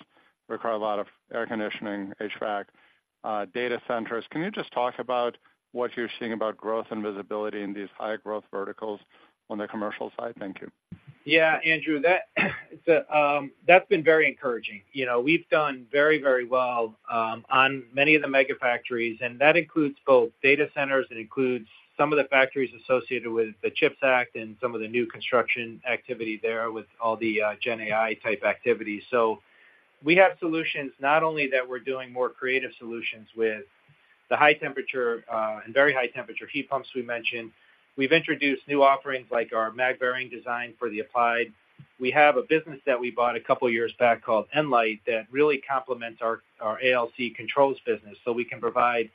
require a lot of air conditioning, HVAC, data centers. Can you just talk about what you're seeing about growth and visibility in these high-growth verticals on the commercial side? Thank you. Yeah, Andrew, that, that's been very encouraging. You know, we've done very, very well, on many of the mega factories, and that includes both data centers, it includes some of the factories associated with the CHIPS Act and some of the new construction activity there with all the, gen AI-type activities. So we have solutions not only that we're doing more creative solutions with the high temperature, and very high temperature heat pumps we mentioned. We've introduced new offerings like our mag bearing design for the applied. We have a business that we bought a couple years back called Nlyte, that really complements our, our ALC controls business, so we can provide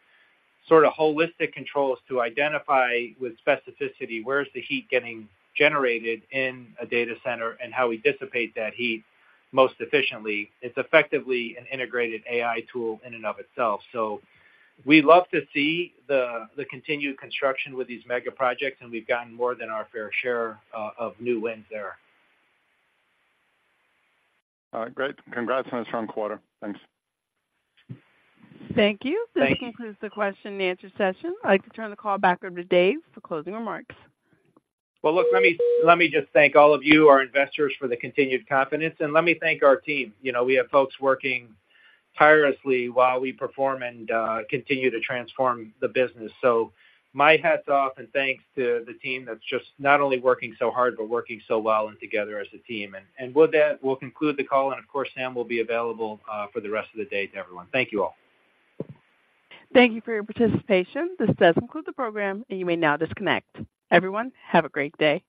sort of holistic controls to identify with specificity, where's the heat getting generated in a data center and how we dissipate that heat most efficiently. It's effectively an integrated AI tool in and of itself. So we love to see the continued construction with these mega projects, and we've gotten more than our fair share of new wins there. All right, great. Congrats on a strong quarter. Thanks. Thank you. Thank you. This concludes the question and answer session. I'd like to turn the call back over to Dave for closing remarks. Well, look, let me, let me just thank all of you, our investors, for the continued confidence, and let me thank our team. You know, we have folks working tirelessly while we perform and continue to transform the business. So my hat's off and thanks to the team that's just not only working so hard, but working so well and together as a team. And, and with that, we'll conclude the call, and of course, Sam will be available for the rest of the day to everyone. Thank you all. Thank you for your participation. This does conclude the program, and you may now disconnect. Everyone, have a great day.